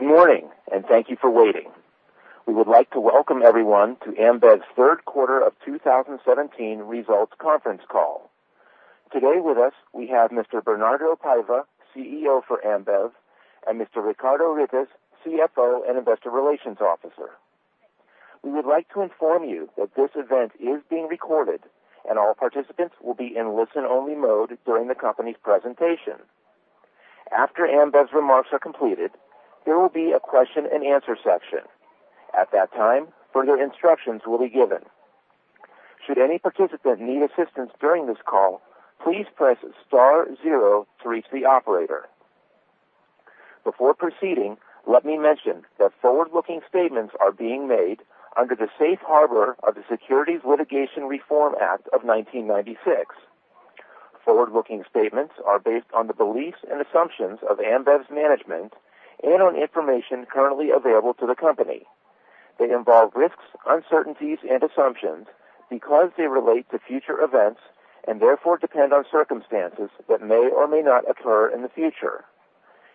Good morning, and thank you for waiting. We would like to welcome everyone to Ambev's Third Quarter of 2017 Results Conference Call. Today with us, we have Mr. Bernardo Paiva, CEO for Ambev, and Mr. Ricardo Rittes, CFO and Investor Relations Officer. We would like to inform you that this event is being recorded and all participants will be in listen-only mode during the company's presentation. After Ambev's remarks are completed, there will be a question-and-answer section. At that time, further instructions will be given. Should any participant need assistance during this call, please press star zero to reach the operator. Before proceeding, let me mention that forward-looking statements are being made under the Safe Harbor of the Securities Litigation Reform Act of 1996. Forward-looking statements are based on the beliefs and assumptions of Ambev's management and on information currently available to the company. They involve risks, uncertainties and assumptions because they relate to future events and therefore depend on circumstances that may or may not occur in the future.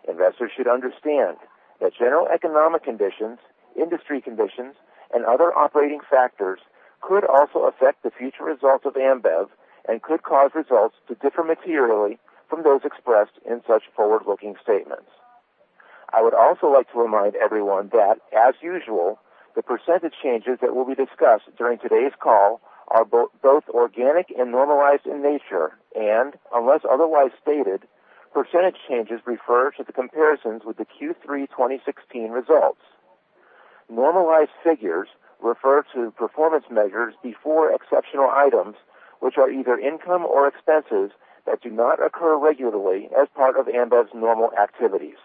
Investors should understand that general economic conditions, industry conditions, and other operating factors could also affect the future results of Ambev and could cause results to differ materially from those expressed in such forward-looking statements. I would also like to remind everyone that, as usual, the percentage changes that will be discussed during today's call are both organic and normalized in nature, and unless otherwise stated, percentage changes refer to the comparisons with the Q3 2016 results. Normalized figures refer to performance measures before exceptional items which are either income or expenses that do not occur regularly as part of Ambev's normal activities.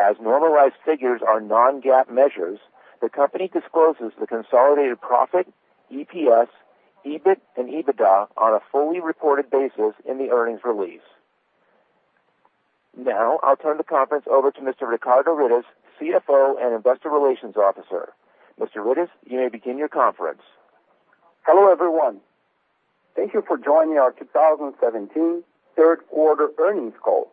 As normalized figures are non-GAAP measures, the company discloses the consolidated profit, EPS, EBIT and EBITDA on a fully reported basis in the earnings release. Now I'll turn the conference over to Mr. Ricardo Rittes, CFO and Investor Relations Officer. Mr. Rittes, you may begin your conference. Hello, everyone. Thank you for joining our 2017 Third Quarter Earnings Call.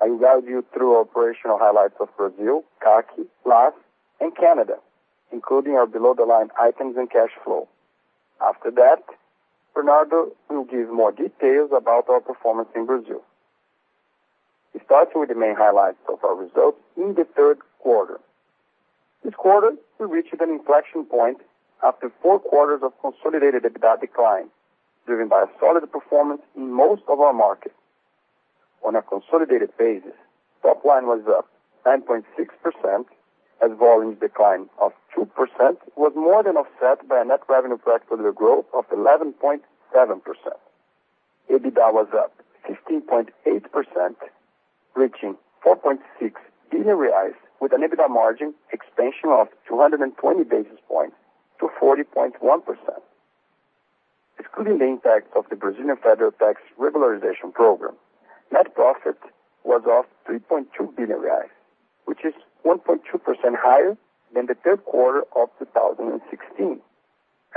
I will guide you through operational highlights of Brazil, CAC, LAS and Canada, including our below-the-line items and cash flow. After that, Bernardo will give more details about our performance in Brazil. Starting with the main highlights of our results in the third quarter. This quarter, we reached an inflection point after four quarters of consolidated EBITDA decline, driven by a solid performance in most of our markets. On a consolidated basis, top line was up 9.6% as volume decline of 2% was more than offset by a net revenue per hectoliter growth of 11.7%. EBITDA was up 15.8%, reaching 4.6 billion reais, with an EBITDA margin expansion of 220 basis points to 40.1%. Excluding the impact of the Brazilian Federal Tax Regularization Program, net profit was 3.2 billion reais, which is 1.2% higher than the third quarter of 2016,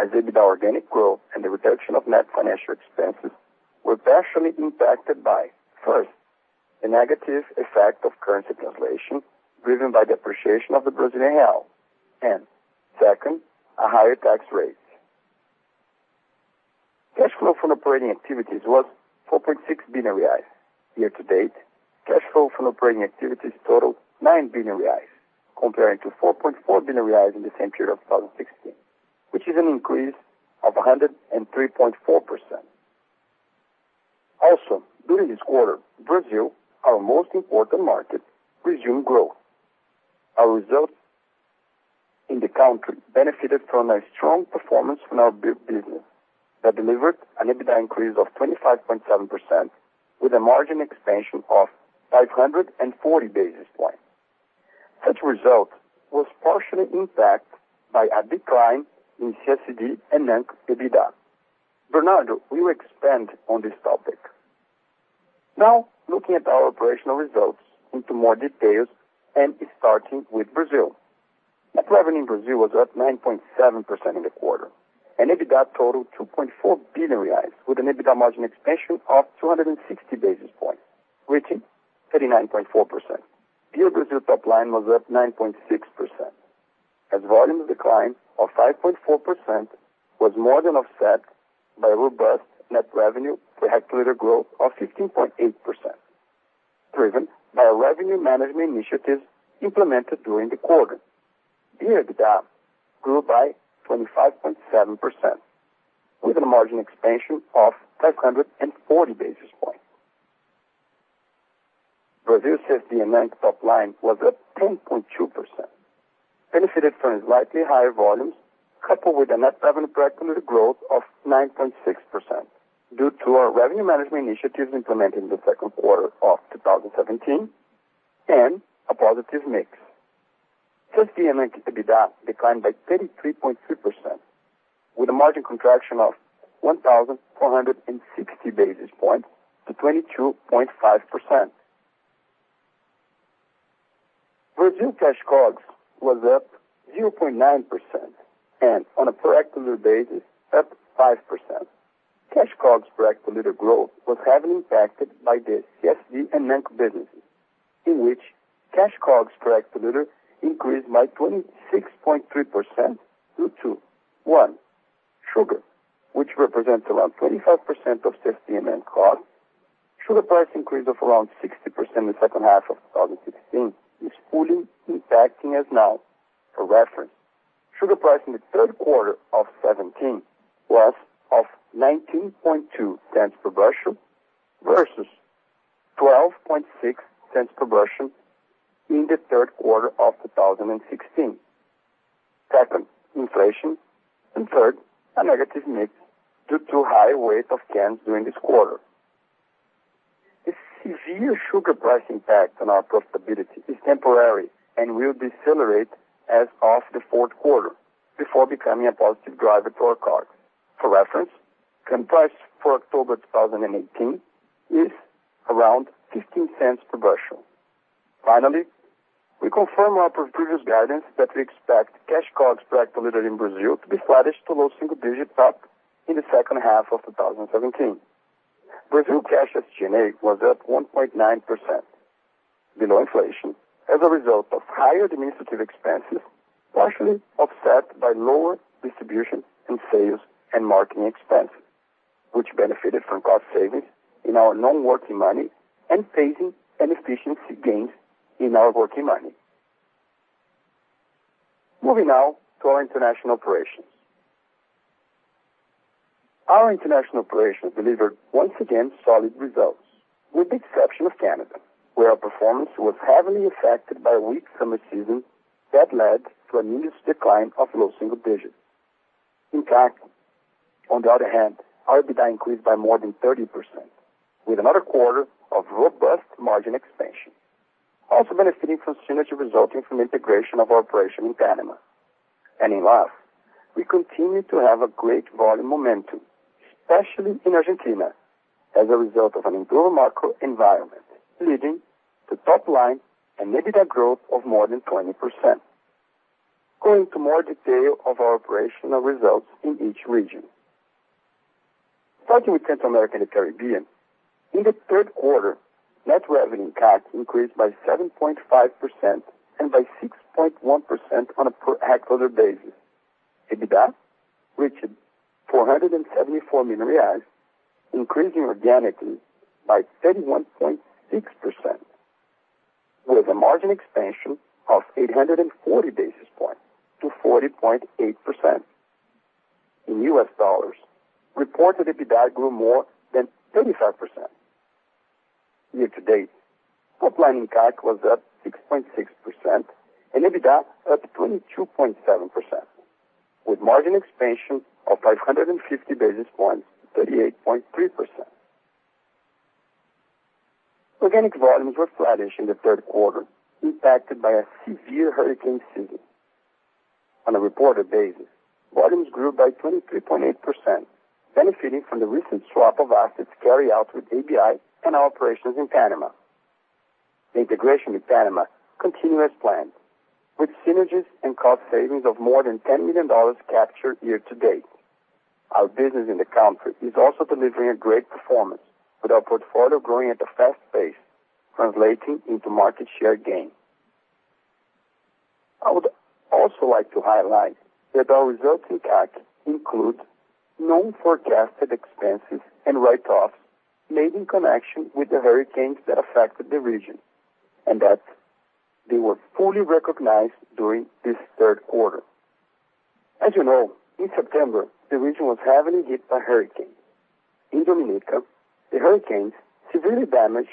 as EBITDA organic growth and the reduction of net financial expenses were partially impacted by, first, the negative effect of currency translation driven by the appreciation of the Brazilian real, and second, a higher tax rate. Cash flow from operating activities was 4.6 billion reais. Year-to-date, cash flow from operating activities totaled 9 billion reais compared to 4.4 billion reais in the same period of 2016, which is an increase of 103.4%. Also, during this quarter, Brazil, our most important market, resumed growth. Our results in the country benefited from a strong performance from our beer business that delivered an EBITDA increase of 25.7% with a margin expansion of 540 basis points. Such result was partially impacted by a decline in CSD and NAB EBITDA. Bernardo will expand on this topic. Now looking at our operational results in more detail and starting with Brazil. Net revenue in Brazil was up 9.7% in the quarter, and EBITDA totaled 2.4 billion reais with an EBITDA margin expansion of 260 basis points, reaching 39.4%. Beer Brazil top line was up 9.6% as volume decline of 5.4% was more than offset by robust net revenue per hectoliter growth of 15.8%, driven by revenue management initiatives implemented during the quarter. Beer EBITDA grew by 25.7% with a margin expansion of 540 basis points. Brazil CSD and NAB top line was up 10.2%, benefited from slightly higher volumes coupled with a net revenue per hectoliter growth of 9.6% due to our revenue management initiatives implemented in the second quarter of 2017 and a positive mix. CSD and NAB EBITDA declined by 33.3% with a margin contraction of 1,460 basis points to 22.5%. Brazil cash COGS was up 0.9% and on a per hectoliter basis, up 5%. Cash COGS per hectoliter growth was heavily impacted by the CSD and NAB businesses, in which cash COGS per hectoliter increased by 26.3% due to, one, sugar, which represents around 25% of CSD and NAB COGS. Sugar price increase of around 60% in the second half of 2016 is fully impacting us now. For reference, sugar price in the third quarter of 2017 was 0.192 per bushel versus 0.126 per bushel in the third quarter of 2016. Second, inflation, and third, a negative mix due to high weight of cans during this quarter. The severe sugar price impact on our profitability is temporary and will decelerate as of the fourth quarter before becoming a positive driver to our COGS. For reference, corn price for October 2018 is around 0.15 per bushel. Finally, we confirm our previous guidance that we expect cash COGS per hectoliter in Brazil to be flattish to low single-digit up in the second half of 2017. Brazil cash SG&A was up 1.9% below inflation as a result of higher administrative expenses, partially offset by lower distribution and sales and marketing expenses, which benefited from cost savings in our non-working money and pacing and efficiency gains in our working money. Moving now to our international operations. Our international operations delivered once again solid results, with the exception of Canada, where our performance was heavily affected by a weak summer season that led to a net sales decline of low single digits. In CAC, on the other hand, EBITDA increased by more than 30%, with another quarter of robust margin expansion, also benefiting from synergy resulting from integration of our operation in Panama. In LAS, we continue to have a great volume momentum, especially in Argentina, as a result of an improved macro environment, leading to top line and EBITDA growth of more than 20%. Going into more detail of our operational results in each region. Starting with Central America and the Caribbean, in the third quarter, net revenue in CAC increased by 7.5% and by 6.1% on a per hectoliter basis. EBITDA reached BRL 474 million, increasing organically by 31.6%, with a margin expansion of 840 basis points to 40.8%. In U.S. dollars, reported EBITDA grew more than 35%. Year-to-date, top line in CAC was up 6.6% and EBITDA up 22.7%, with margin expansion of 550 basis points to 38.3%. Organic volumes were flattish in the third quarter, impacted by a severe hurricane season. On a reported basis, volumes grew by 23.8%, benefiting from the recent swap of assets carried out with ABI and our operations in Panama. The integration in Panama continued as planned, with synergies and cost savings of more than $10 million captured year-to-date. Our business in the country is also delivering a great performance with our portfolio growing at a fast pace, translating into market share gain. I would also like to highlight that our results in CAC include non-forecasted expenses and write-offs made in connection with the hurricanes that affected the region, and that they were fully recognized during this third quarter. As you know, in September, the region was heavily hit by hurricanes. In Dominica, the hurricanes severely damaged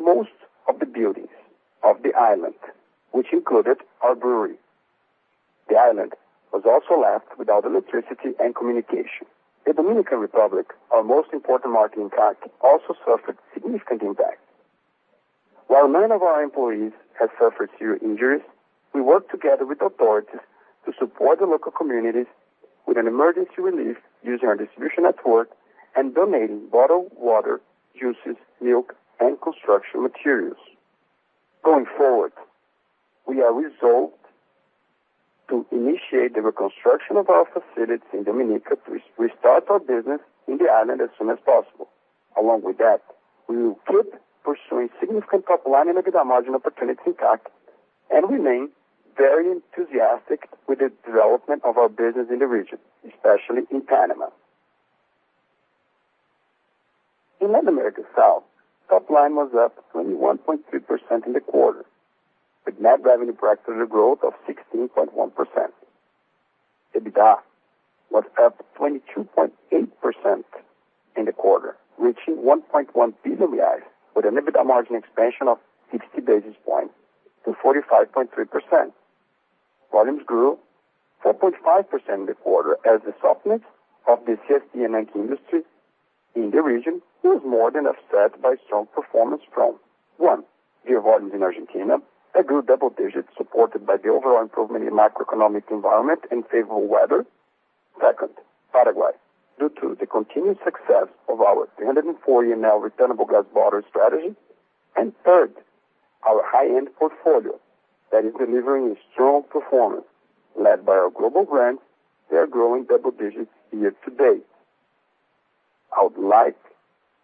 most of the buildings of the island, which included our brewery. The island was also left without electricity and communication. The Dominican Republic, our most important market in CAC, also suffered significant impact. While none of our employees have suffered serious injuries, we work together with authorities to support the local communities with an emergency relief using our distribution network and donating bottled water, juices, milk, and construction materials. Going forward, we are resolved to initiate the reconstruction of our facilities in Dominica to restart our business in the island as soon as possible. Along with that, we will keep pursuing significant top line and EBITDA margin opportunities in CAC and remain very enthusiastic with the development of our business in the region, especially in Panama. In Latin America South, top line was up 21.3% in the quarter, with net revenue practically a growth of 16.1%. EBITDA was up 22.8% in the quarter, reaching 1.1 billion reais with an EBITDA margin expansion of 60 basis points to 45.3%. Volumes grew 4.5% in the quarter as the softness of the CSD and NAB industry in the region was more than offset by strong performance from one, beer volumes in Argentina that grew double digits supported by the overall improvement in macroeconomic environment and favorable weather. Second, Paraguay, due to the continued success of our 340 ml returnable glass bottle strategy. Third, our high-end portfolio that is delivering a strong performance led by our global brands that are growing double digits year-to-date. I would like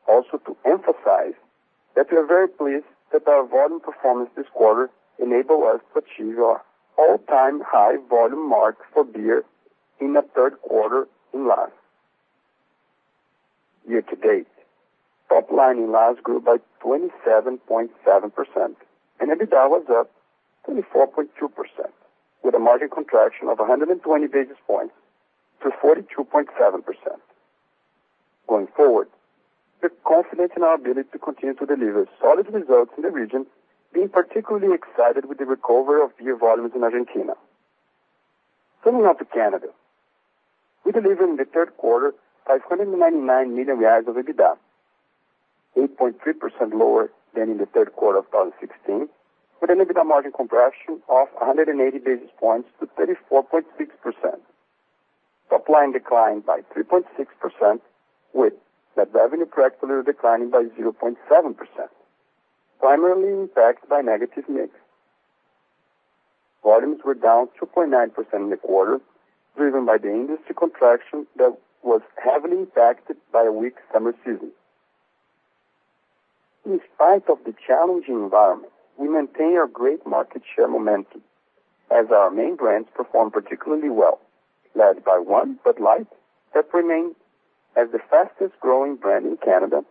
also to emphasize that we are very pleased that our volume performance this quarter enabled us to achieve our all-time high volume mark for beer in the third quarter in LAS. Year-to-date, top line in LAS grew by 27.7% and EBITDA was up 24.2% with a margin contraction of 120 basis points to 42.7%. Going forward, we're confident in our ability to continue to deliver solid results in the region, being particularly excited with the recovery of beer volumes in Argentina. Turning now to Canada. We delivered in the third quarter 599 million reais of EBITDA, 8.3% lower than in the third quarter of 2016, with an EBITDA margin compression of 180 basis points to 34.6%. Top line declined by 3.6% with net revenue practically declining by 0.7%, primarily impacted by negative mix. Volumes were down 2.9% in the quarter, driven by the industry contraction that was heavily impacted by a weak summer season. In spite of the challenging environment, we maintain our great market share momentum as our main brands perform particularly well, led by one Bud Light that remained as the fastest growing brand in Canada,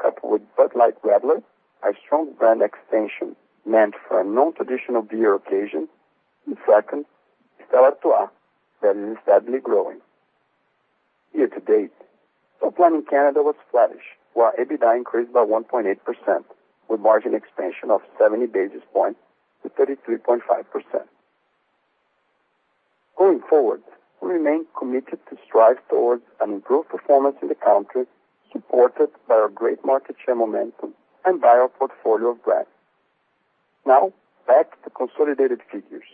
coupled with Bud Light Radler, our strong brand extension meant for a non-traditional beer occasion. In second, Stella Artois that is steadily growing. Year-to-date, top line in Canada was flattish, while EBITDA increased by 1.8% with margin expansion of 70 basis points to 33.5%. Going forward, we remain committed to strive towards an improved performance in the country, supported by our great market share momentum and by our portfolio of brands. Now back to consolidated figures.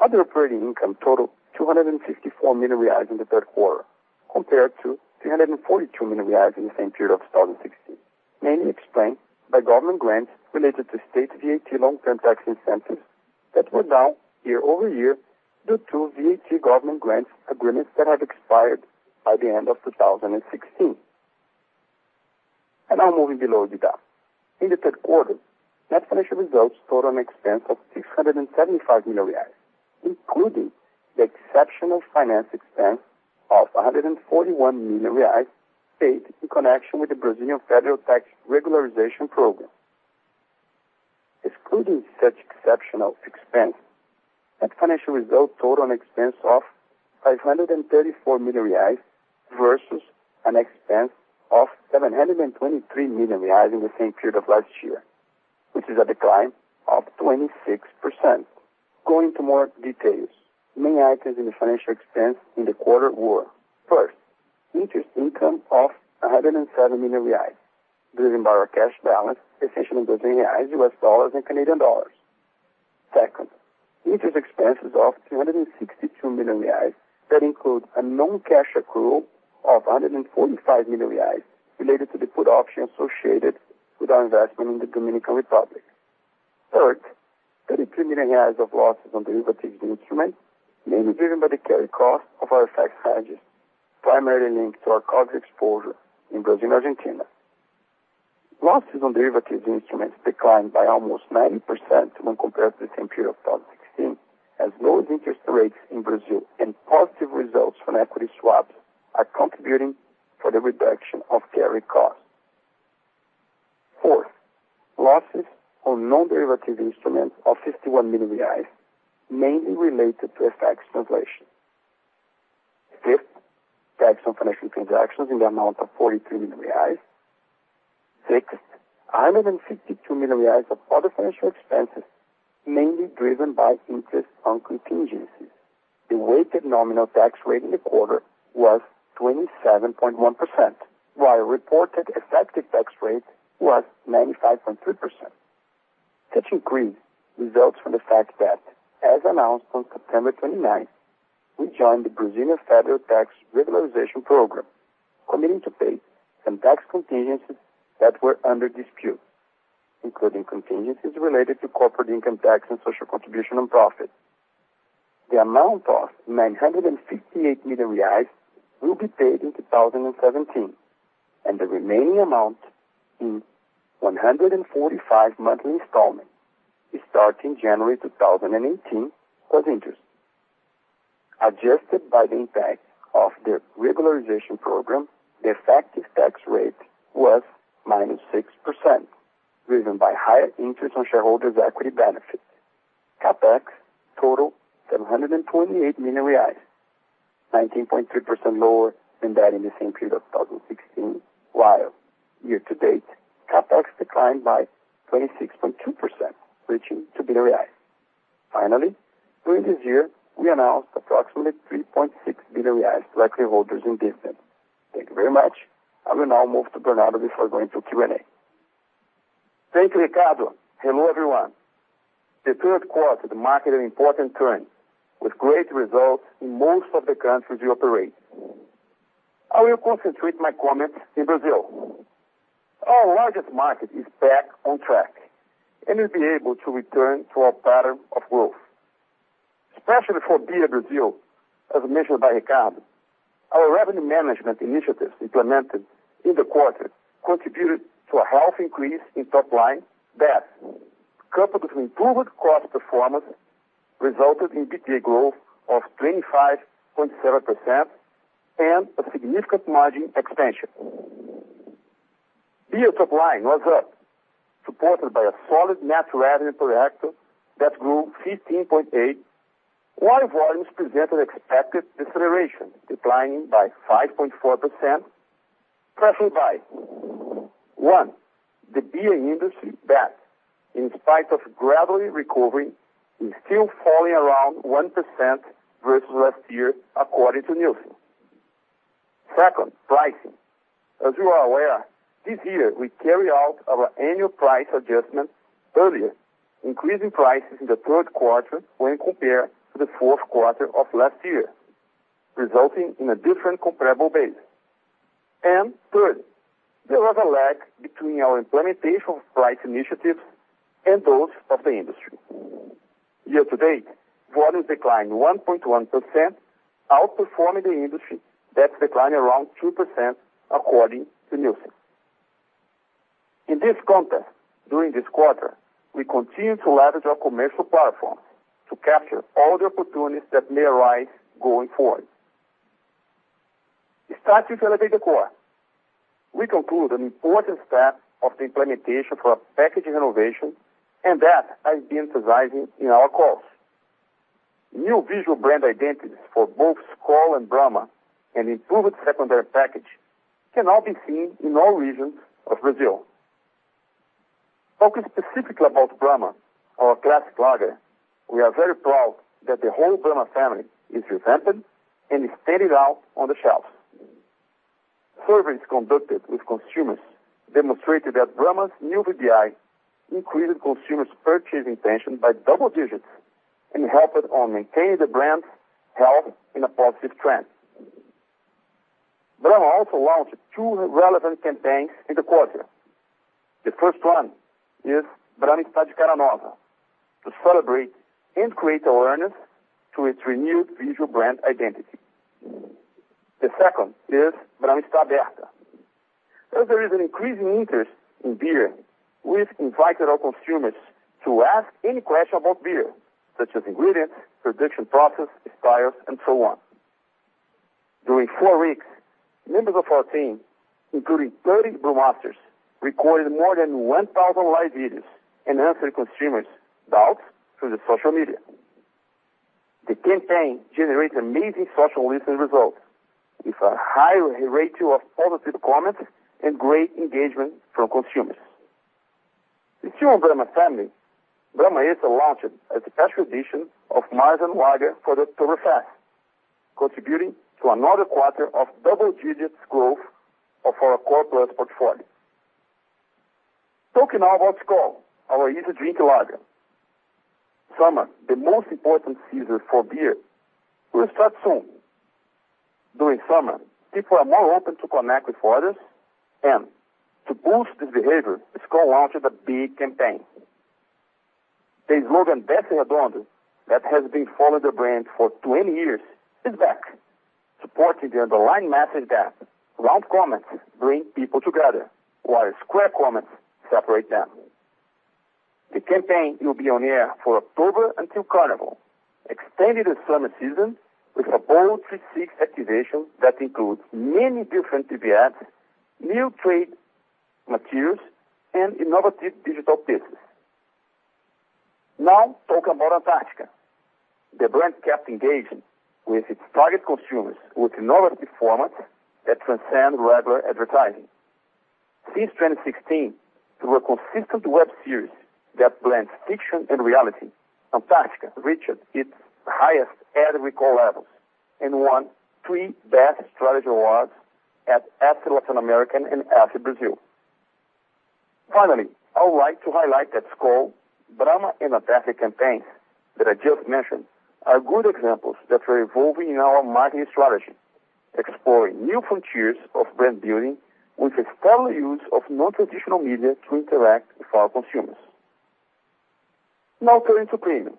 Other operating income totaled 254 million reais in the third quarter compared to 342 million reais in the same period of 2016, mainly explained by government grants related to state VAT long-term tax incentives that were down year-over-year due to VAT government grants agreements that had expired by the end of 2016. Now moving below EBITDA. In the third quarter, net financial results total an expense of 675 million reais, including the exceptional finance expense of 141 million reais paid in connection with the Brazilian Federal Tax Regularization Program. Excluding such exceptional expense, net financial results total an expense of 534 million reais versus an expense of 723 million reais in the same period of last year, which is a decline of 26%. Going to more details. Main items in the financial expense in the quarter were, first, interest income of 107 million reais driven by our cash balance, essentially in Brazilian reals, U.S. dollars, and Canadian dollars. Second, interest expenses of 362 million reais that include a non-cash accrual of 145 million reais related to the put option associated with our investment in the Dominican Republic. Third, BRL 33 million of losses on derivatives instruments, mainly driven by the carry cost of our FX hedges, primarily linked to our COGS exposure in Brazil and Argentina. Losses on derivatives instruments declined by almost 90% when compared to the same period of 2016 as lower interest rates in Brazil and positive results from equity swaps are contributing for the reduction of carry costs. Fourth, losses on non-derivative instruments of 51 million reais, mainly related to FX translation. Fifth, tax on financial transactions in the amount of 43 million reais. Sixth, 152 million reais of other financial expenses, mainly driven by interest on contingencies. The weighted nominal tax rate in the quarter was 27.1%, while reported effective tax rate was 95.3%. Such increase results from the fact that, as announced on September 29th, we joined the Brazilian Federal Tax Regularization Program, committing to pay some tax contingencies that were under dispute, including contingencies related to corporate income tax and social contribution on profit. The amount of 958 million reais will be paid in 2017, and the remaining amount in 145 monthly installments starting January 2018, plus interest. Adjusted by the impact of the regularization program, the effective tax rate was -6%, driven by higher interest on shareholders' equity benefits. CapEx totaled 728 million reais, 19.3% lower than that in the same period of 2016, while year-to-date CapEx declined by 26.2%, reaching 2 billion reais. Finally, during this year, we announced approximately 3.6 billion reais to equity holders in dividends. Thank you very much. I will now move to Bernardo before going to Q&A. Thank you, Ricardo. Hello, everyone. The third quarter marked an important turn with great results in most of the countries we operate. I will concentrate my comments in Brazil. Our largest market is back on track, and we'll be able to return to our pattern of growth, especially for Beer Brazil, as mentioned by Ricardo. Our revenue management initiatives implemented in the quarter contributed to a healthy increase in top line that, coupled with improved cost performance, resulted in PTA growth of 25.7% and a significant margin expansion. Beer top line was up, supported by a solid net revenue per hecto that grew 15.8%, while volumes presented expected deceleration, declining by 5.4%, pressured by, one, the beer industry that, in spite of gradually recovering, is still falling around 1% versus last year, according to Nielsen. Second, pricing. As you are aware, this year we carry out our annual price adjustment earlier, increasing prices in the third quarter when compared to the fourth quarter of last year, resulting in a different comparable base. Third, there was a lag between our implementation of price initiatives and those of the industry. Year-to-date volume declined 1.1%, outperforming the industry that's declining around 2% according to Nielsen. In this context, during this quarter, we continued to leverage our commercial platform to capture all the opportunities that may arise going forward. Starting with Elevate the Core, we conclude an important step of the implementation for our packaging renovation, and that has resulted in cost savings. New visual brand identities for both Skol and Brahma, and improved secondary package can now be seen in all regions of Brazil. Talking specifically about Brahma, our classic lager, we are very proud that the whole Brahma family is revamped and is standing out on the shelf. Surveys conducted with consumers demonstrated that Brahma's new VBI increased consumers' purchase intention by double digits and helped in maintaining the brand's health in a positive trend. Brahma also launched two relevant campaigns in the quarter. The first one is Brahma Está de Cara Nova to celebrate and create awareness for its renewed visual brand identity. The second is Brahma Está Aberta. As there is an increasing interest in beer, we've invited our consumers to ask any question about beer, such as ingredients, production process, expiration, and so on. During four weeks, members of our team, including 30 brewmasters, recorded more than 1,000 live videos and answered consumers' doubts through social media. The campaign generated amazing social listening results with a high ratio of positive comments and great engagement from consumers. The second Brahma family, Brahma Extra, launched a special edition of Märzen lager for the Oktoberfest, contributing to another quarter of double-digit growth of our core plus portfolio. Talking now about Skol, our easy-drinking lager. Summer, the most important season for beer, will start soon. During summer, people are more open to connect with others, and to boost this behavior, Skol launched a big campaign. The slogan, Better Round, that has followed the brand for 20 years is back, supporting the underlying message that round comments bring people together, while square comments separate them. The campaign will be on air from October until Carnival, extending the summer season with a Bora to seek activation that includes many different TV ads, new trade materials, and innovative digital pieces. Now, talking about Antarctica. The brand kept engaging with its target consumers with innovative formats that transcend regular advertising. Since 2016, through a consistent web series that blends fiction and reality, Antarctica reached its highest ad recall levels and won three Best Strategy awards at Effie Latin America and Effie Brazil. Finally, I would like to highlight that Skol, Brahma, Antarctica campaigns that I just mentioned are good examples that we're evolving in our marketing strategy, exploring new frontiers of brand building with a strong use of non-traditional media to interact with our consumers. Now turning to premium.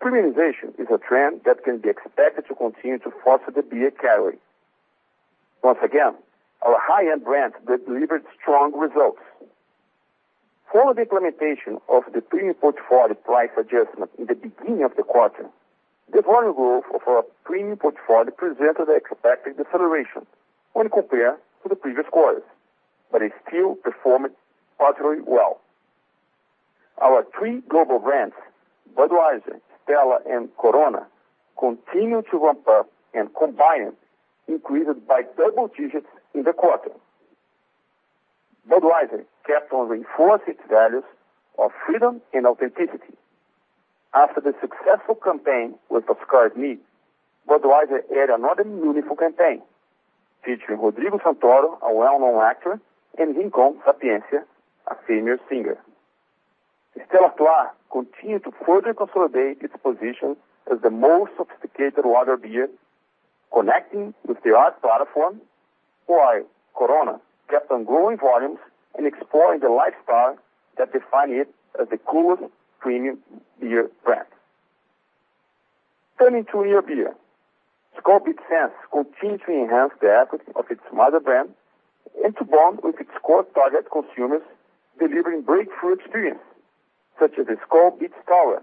Premiumization is a trend that can be expected to continue to foster the beer category. Once again, our high-end brands, they delivered strong results. Following the implementation of the premium portfolio price adjustment in the beginning of the quarter, the volume growth of our premium portfolio presented expected deceleration when compared to the previous quarters, but it still performed partially well. Our three global brands, Budweiser, Stella, and Corona, continued to ramp up and combined increased by double digits in the quarter. Budweiser kept on reinforcing its values of freedom and authenticity. After the successful campaign with Oscar Mead, Budweiser aired another meaningful campaign featuring Rodrigo Santoro, a well-known actor, and Rincon Sapiência, a famous singer. Stella Artois continued to further consolidate its position as the most sophisticated water beer, connecting with the art platform, while Corona kept on growing volumes and exploring the lifestyle that define it as the coolest premium beer brand. Turning to your beer. Skol Beats cans continued to enhance the equity of its mother brand and to bond with its core target consumers, delivering breakthrough experience such as the Skol Beats Tower,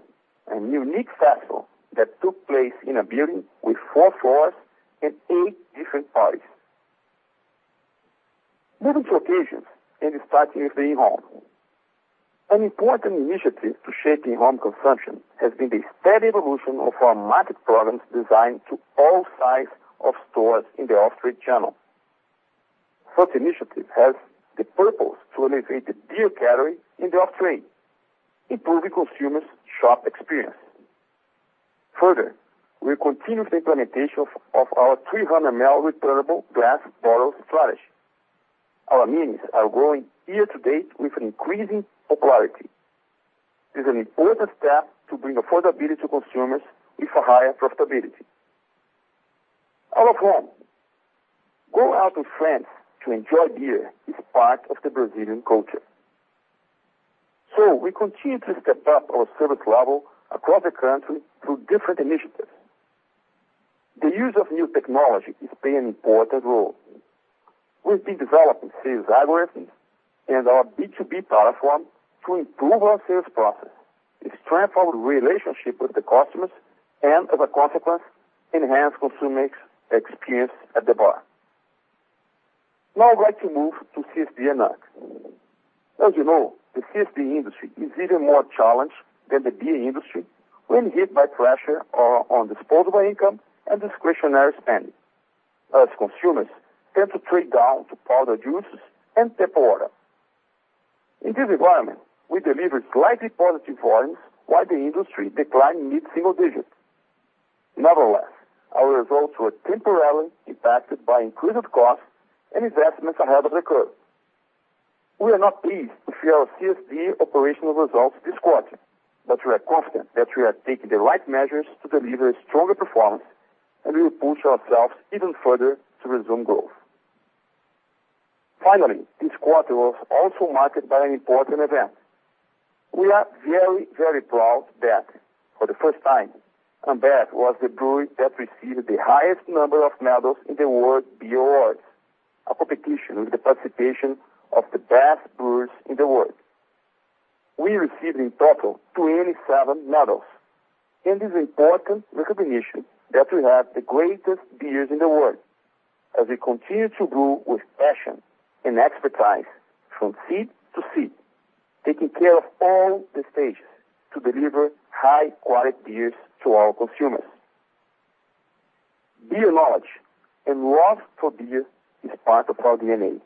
a unique festival that took place in a building with four floors and eight different parties. Moving to occasions and starting with the in-home. An important initiative to shape the in-home consumption has been the steady evolution of our multi products designed to all size of stores in the off-trade channel. Such initiative has the purpose to elevate the beer category in the off-trade, improving consumers' shop experience. Further, we are continuing the implementation of our 300 ml returnable glass bottles strategy. Our minis are growing year-to-date with an increasing popularity. This is an important step to bring affordability to consumers with a higher profitability. Out of home. Go out with friends to enjoy beer is part of the Brazilian culture. We continue to step up our service level across the country through different initiatives. The use of new technology is playing an important role. We've been developing sales algorithms and our B2B platform to improve our sales process and strengthen our relationship with the customers and as a consequence, enhance consumers experience at the bar. Now, I'd like to move to CSD and NABs. As you know, the CSD industry is even more challenged than the beer industry when hit by pressure on disposable income and discretionary spending, as consumers tend to trade down to powder juices and tap water. In this environment, we delivered slightly positive volumes while the industry declined mid-single digits. Nevertheless, our results were temporarily impacted by increased costs and investments ahead of the curve. We are not pleased with our CSD operational results this quarter, but we are confident that we are taking the right measures to deliver a stronger performance, and we will push ourselves even further to resume growth. Finally, this quarter was also marked by an important event. We are very, very proud that for the first time, Ambev was the brewery that received the highest number of medals in the World Beer Awards, a competition with the participation of the best brewers in the world. We received in total 27 medals, and this is important recognition that we have the greatest beers in the world as we continue to brew with passion and expertise from seed to seed, taking care of all the stages to deliver high quality beers to our consumers. Beer knowledge and love for beer is part of our DNA.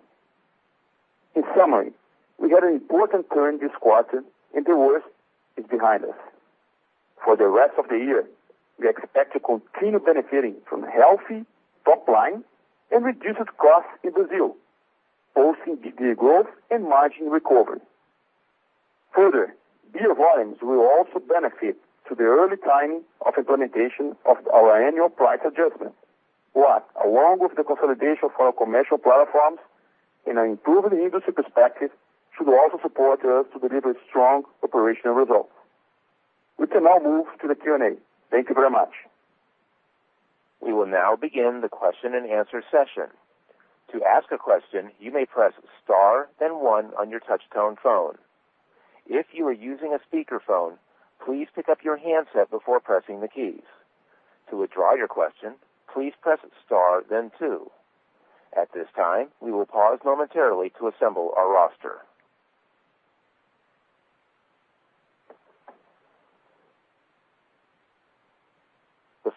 In summary, we had an important turn this quarter and the worst is behind us. For the rest of the year, we expect to continue benefiting from healthy top line and reduced costs in Brazil, posting beer growth and margin recovery. Further, beer volumes will also benefit from the early timing of implementation of our annual price adjustment. Which, along with the consolidation of our commercial platforms in an improving industry perspective, should also support us to deliver strong operational results. We can now move to the Q&A. Thank you very much. We will now begin the question and answer session. To ask a question, you may press star then one on your touchtone phone. If you are using a speakerphone, please pick up your handset before pressing the keys. To withdraw your question, please press star then two. At this time, we will pause momentarily to assemble our roster.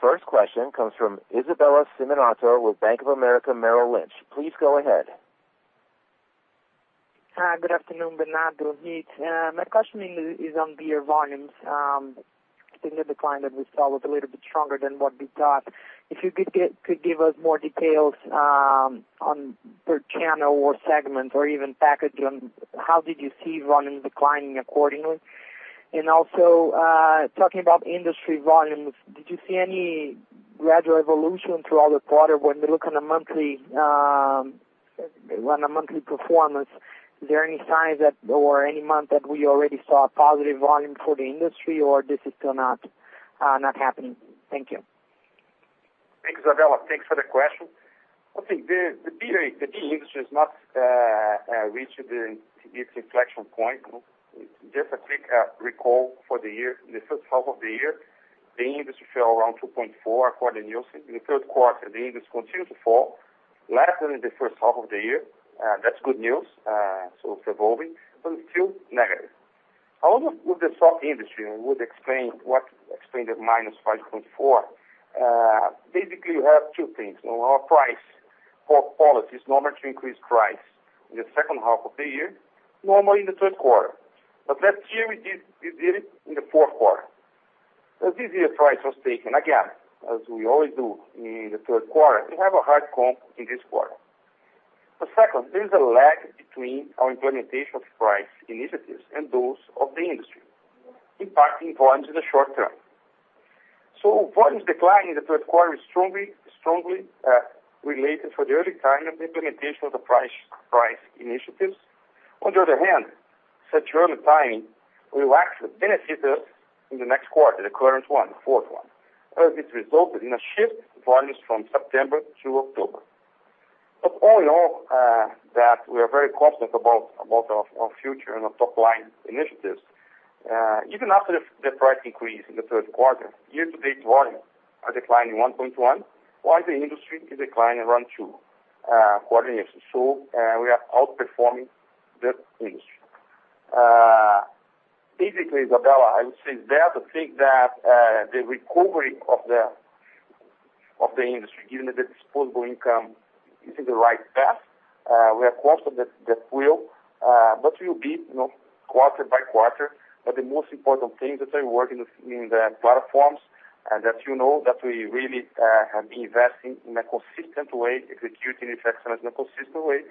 The first question comes from Isabella Simonato with Bank of America Merrill Lynch. Please go ahead. Hi. Good afternoon, Bernardo, Ricardo. My question is on beer volumes. I think the decline that we saw was a little bit stronger than what we thought. If you could give us more details on per channel or segment or even packaging, how did you see volume declining accordingly? Also, talking about industry volumes, did you see any gradual evolution throughout the quarter when you look on a monthly performance? Is there any signs that, or any month that we already saw a positive volume for the industry or this is still not happening? Thank you. Thanks, Isabella. Thanks for the question. I think the beer industry has not reached its inflection point. Just a quick recall for the year. In the first half of the year, the industry fell around 2.4% according to Nielsen. In the third quarter, the industry continued to fall less than in the first half of the year. That's good news. It's evolving, but it's still negative. Along with the soft industry would explain the -5.4%. Basically you have two things. One, our price. Per policy, it's normal to increase price in the second half of the year, normally in the third quarter. But last year we did it in the fourth quarter. This year price was taken again, as we always do in the third quarter. We have a hard comp in this quarter. Second, there's a lag between our implementation of price initiatives and those of the industry, impacting volumes in the short term. Volumes declining in the third quarter is strongly related to the early timing of the implementation of the price initiatives. On the other hand, such early timing will actually benefit us in the next quarter, the current one, the fourth one, as it resulted in a shift in volumes from September to October. All in all, that we are very confident about our future and our top line initiatives. Even after the price increase in the third quarter, year-to-date volumes are declining 1.1%, while the industry is declining around 2% year-over-year. We are outperforming the industry. Basically, Isabella, I would say that, the thing, that the recovery of the industry, given that the disposable income is in the right path, we are confident that will be, you know, quarter by quarter. The most important thing is that we work in the platforms, and as you know, that we really have been investing in a consistent way, executing excellence in a consistent way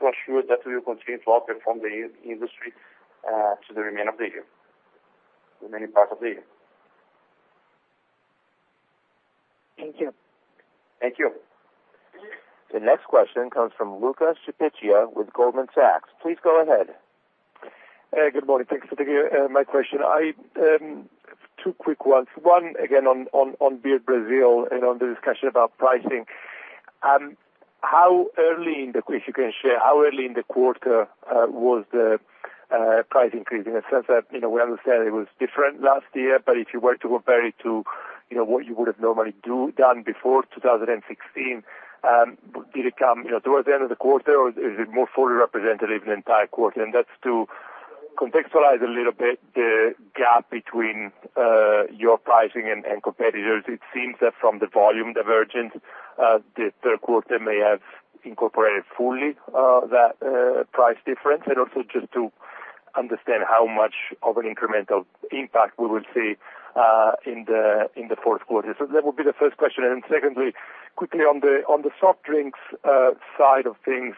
to ensure that we will continue to outperform the industry to the remainder of the year. Thank you. Thank you. The next question comes from Luca Cipiccia with Goldman Sachs. Please go ahead. Good morning. Thanks for taking my question. I have two quick ones. One again on Beer Brazil and on the discussion about pricing. How early in the quarter, if you can share, was the price increase? In the sense that, you know, we understand it was different last year, but if you were to compare it to, you know, what you would have normally done before 2016, did it come, you know, towards the end of the quarter or is it more fully representative of the entire quarter? That's to contextualize a little bit the gap between your pricing and competitors. It seems that from the volume divergence, the third quarter may have incorporated fully that price difference. Also, just to understand how much of an incremental impact we will see in the fourth quarter. That would be the first question. Secondly, quickly, on the soft drinks side of things.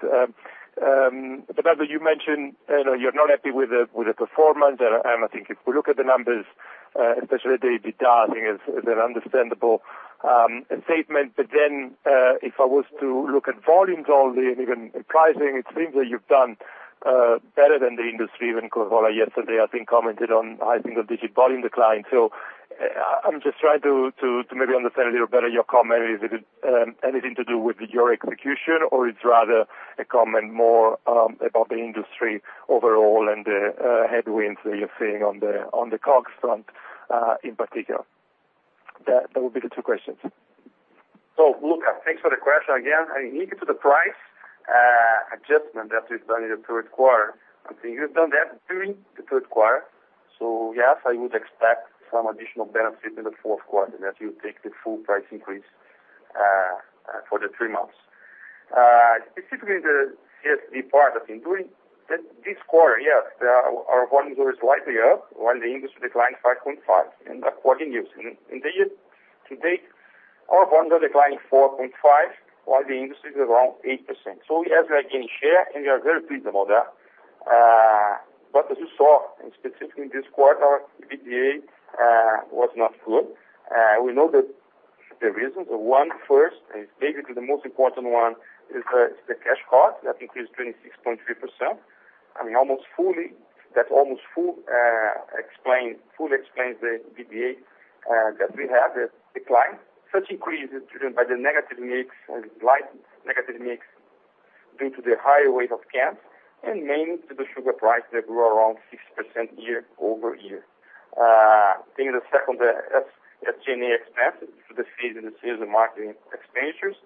As you mentioned, you know, you're not happy with the performance. I think if we look at the numbers, especially, the detailing is an understandable statement. If I was to look at volumes all year and even pricing, it seems that you've done better than the industry, even Coca-Cola yesterday, I think, commented on high single digit volume decline. I'm just trying to maybe understand a little better your comment. Is it anything to do with your execution or it's rather a comment more about the industry overall and the headwinds that you're seeing on the COGS front in particular? That would be the two questions. Luca, thanks for the question again. I mean, related to the price adjustment that we've done in the third quarter, I think we've done that during the third quarter. Yes, I would expect some additional benefit in the fourth quarter that you take the full price increase for the three months. Specifically the CSD part, I think during this quarter, yes, our volume grew slightly up while the industry declined 5.5% year-over-year. In the Year-to-date, our volumes are declining 4.5%, while the industry is around 8%. Yes, we are gaining share, and we are very pleased about that. But as you saw specifically in this quarter, our EBITDA was not good. We know that the reasons. The first is basically the most important one is the cash cost that increased 26.3%. I mean, almost fully, that almostfully explains the EBITDA, that we have the decline. Such increase is driven by the negative mix and slight negative mix due to the higher weight of cans and mainly to the sugar price that grew around 6% year-over-year. I think the second, the SG&A expenses, this is in the sales and marketing expenditures.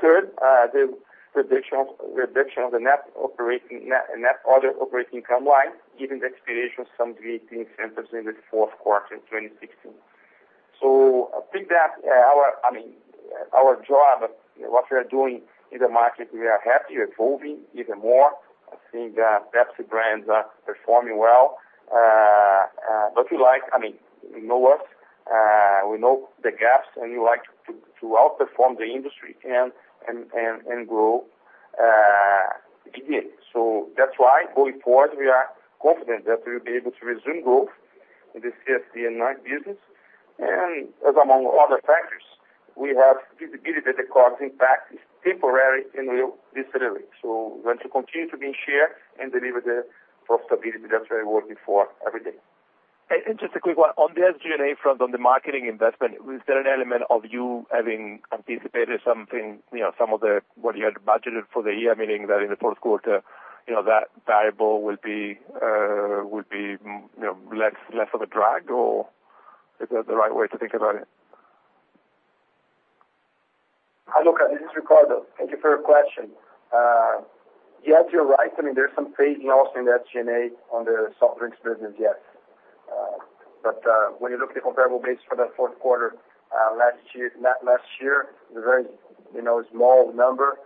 Third, the reduction of the net other operating income line, given the expiration of some agreements in the fourth quarter in 2016. I mean, our job, what we are doing in the market, we are happy evolving even more. I think that Pepsi brands are performing well. I mean, you know us, we know the gaps, and we like to outperform the industry and grow EBITDA. That's why going forward, we are confident that we'll be able to resume growth in the CSD and NAB business. As among other factors, we have visibility that the COGS impact is temporary and will dissipate. We want to continue to gain share and deliver the profitability that we are working for every day. Just a quick one. On the SG&A front, on the marketing investment, is there an element of you having anticipated something, you know, some of the, what you had budgeted for the year, meaning that in the fourth quarter, you know, that variable will be, you know, less of a drag, or is that the right way to think about it? Hi, Luca, this is Ricardo. Thank you for your question. Yes, you're right. I mean, there's some phasing also in the SG&A on the soft drinks business, yes. But when you look at the comparable base for that fourth quarter last year, very, you know, small number.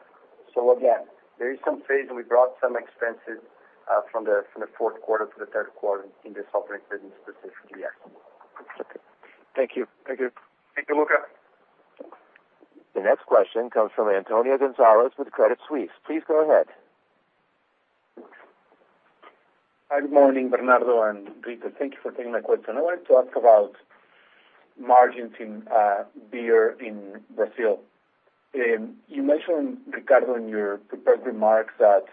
Again, there is some phase, and we brought some expenses from the fourth quarter to the third quarter in the soft drink business specifically, yes. Thank you, Luca. The next question comes from Antonio Gonzalez with Credit Suisse. Please go ahead. Hi, good morning, Bernardo and Ricardo. Thank you for taking my question. I wanted to talk about margins in Beer in Brazil. You mentioned, Ricardo, in your prepared remarks, that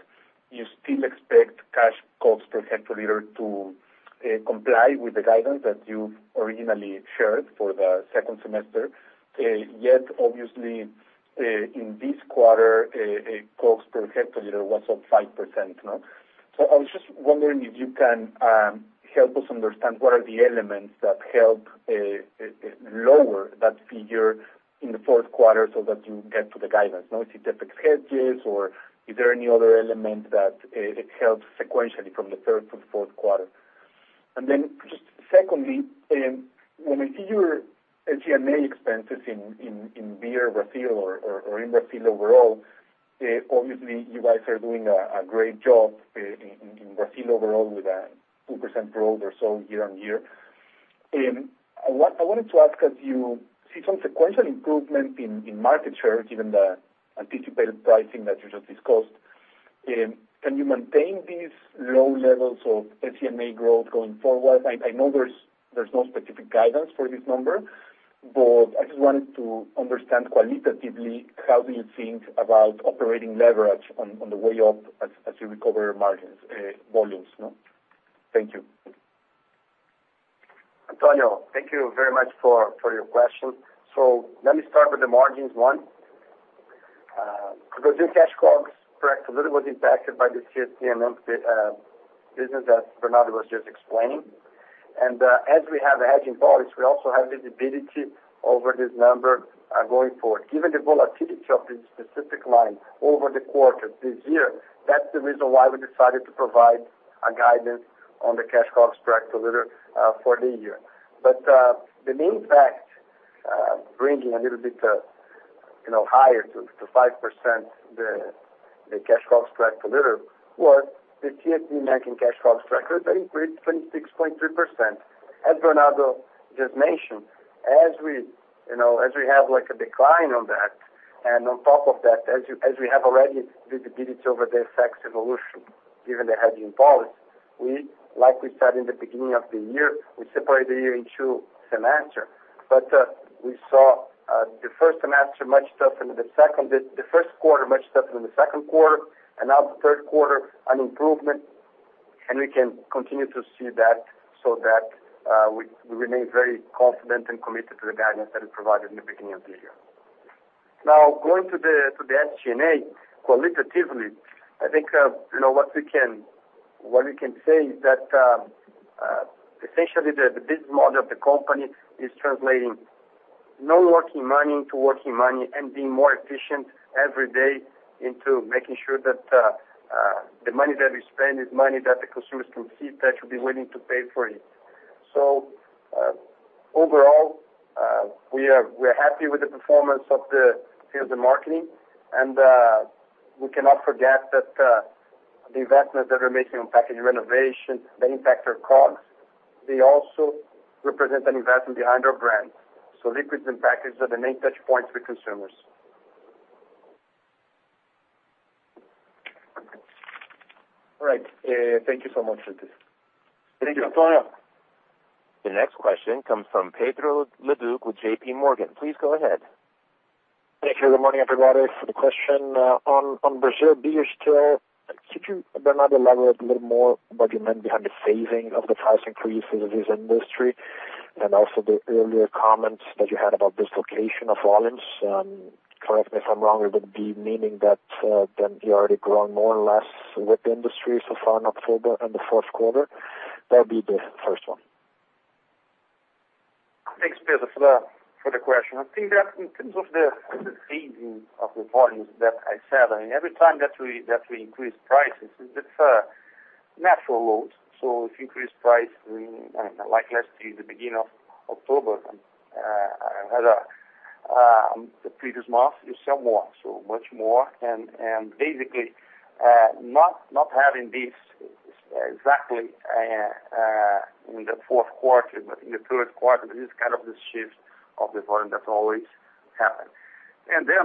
you still expect cash COGS per hectoliter to comply with the guidance that you originally shared for the second semester. Yet, obviously, in this quarter, COGS per hectoliter was up 5%. I was just wondering if you can help us understand what are the elements that help lower that figure in the fourth quarter so that you get to the guidance. Now, is it the hedges or is there any other element that helps sequentially from the third to the fourth quarter? Just secondly, when we see your SG&A expenses in Beer Brazil, or in Brazil overall, obviously, you guys are doing a great job in Brazil overall with a 2% growth or so year-on-year. What I wanted to ask, as you see some sequential improvement in market share, given the anticipated pricing that you just discussed, can you maintain these low levels of SG&A growth going forward? I know there's no specific guidance for this number, but I just wanted to understand qualitatively how do you think about operating leverage on the way up, as you recover margins, volumes. Thank you. Antonio, thank you very much for your question. Let me start with the margins one. Because your cash COGS per hectoliter was impacted by the CSD business that Fernando was just explaining. As we have the hedging policy, we also have visibility over this number going forward. Given the volatility of this specific line over the quarter this year, that's the reason why we decided to provide a guidance on the cash COGS per hectoliter for the year. The main fact, bringing a little bit you know higher to 5% the cash COGS per hectoliter was the CSD making cash COGS per hectoliter increased 26.3%. As Fernando just mentioned, as we, you know, as we have like a decline on that, and on top of that, as we have already visibility over the effects evolution, given the hedging policy, like we said in the beginning of the year, we separate the year in two semester. But we saw the first semester much tougher than the second, the first quarter much tougher than the second quarter, and now the third quarter an improvement, and we can continue to see that, so that we remain very confident and committed to the guidance that we provided in the beginning of the year. Now, going to the SG&A, qualitatively, I think, you know, what we can say is that essentially the business model of the company is translating non-working money into working money and being more efficient every day into making sure that the money that we spend is money that the consumers can see that should be willing to pay for it. Overall, we're happy with the performance of the sales and marketing, and we cannot forget that the investments that we're making on package renovation, they impact our COGS. They also represent an investment behind our brands. Liquids and packages are the main touch points for consumers. All right. Thank you so much for this. Thank you, Antonio. The next question comes from Pedro Leduc with JPMorgan. Please go ahead. Thank you. Good morning, everybody. For the question on Brazil Beer share, could you, Bernardo, elaborate a little more what you meant behind the phasing of the price increases of this industry and also the earlier comments that you had about dislocation of volumes? Correct me if I'm wrong, would it be meaning that then you're already growing more or less with the industry so far in October and the fourth quarter? That would be the first one. Thanks, Pedro, for the question. I think that in terms of the phasing of the volumes that I said, I mean, every time that we increase prices, it's a natural load. If you increase price, I mean, like last year, the previous month, you sell more, so much more. Basically, not having this exactly in the fourth quarter, but in the third quarter, this is kind of the shift of the volume that always happen.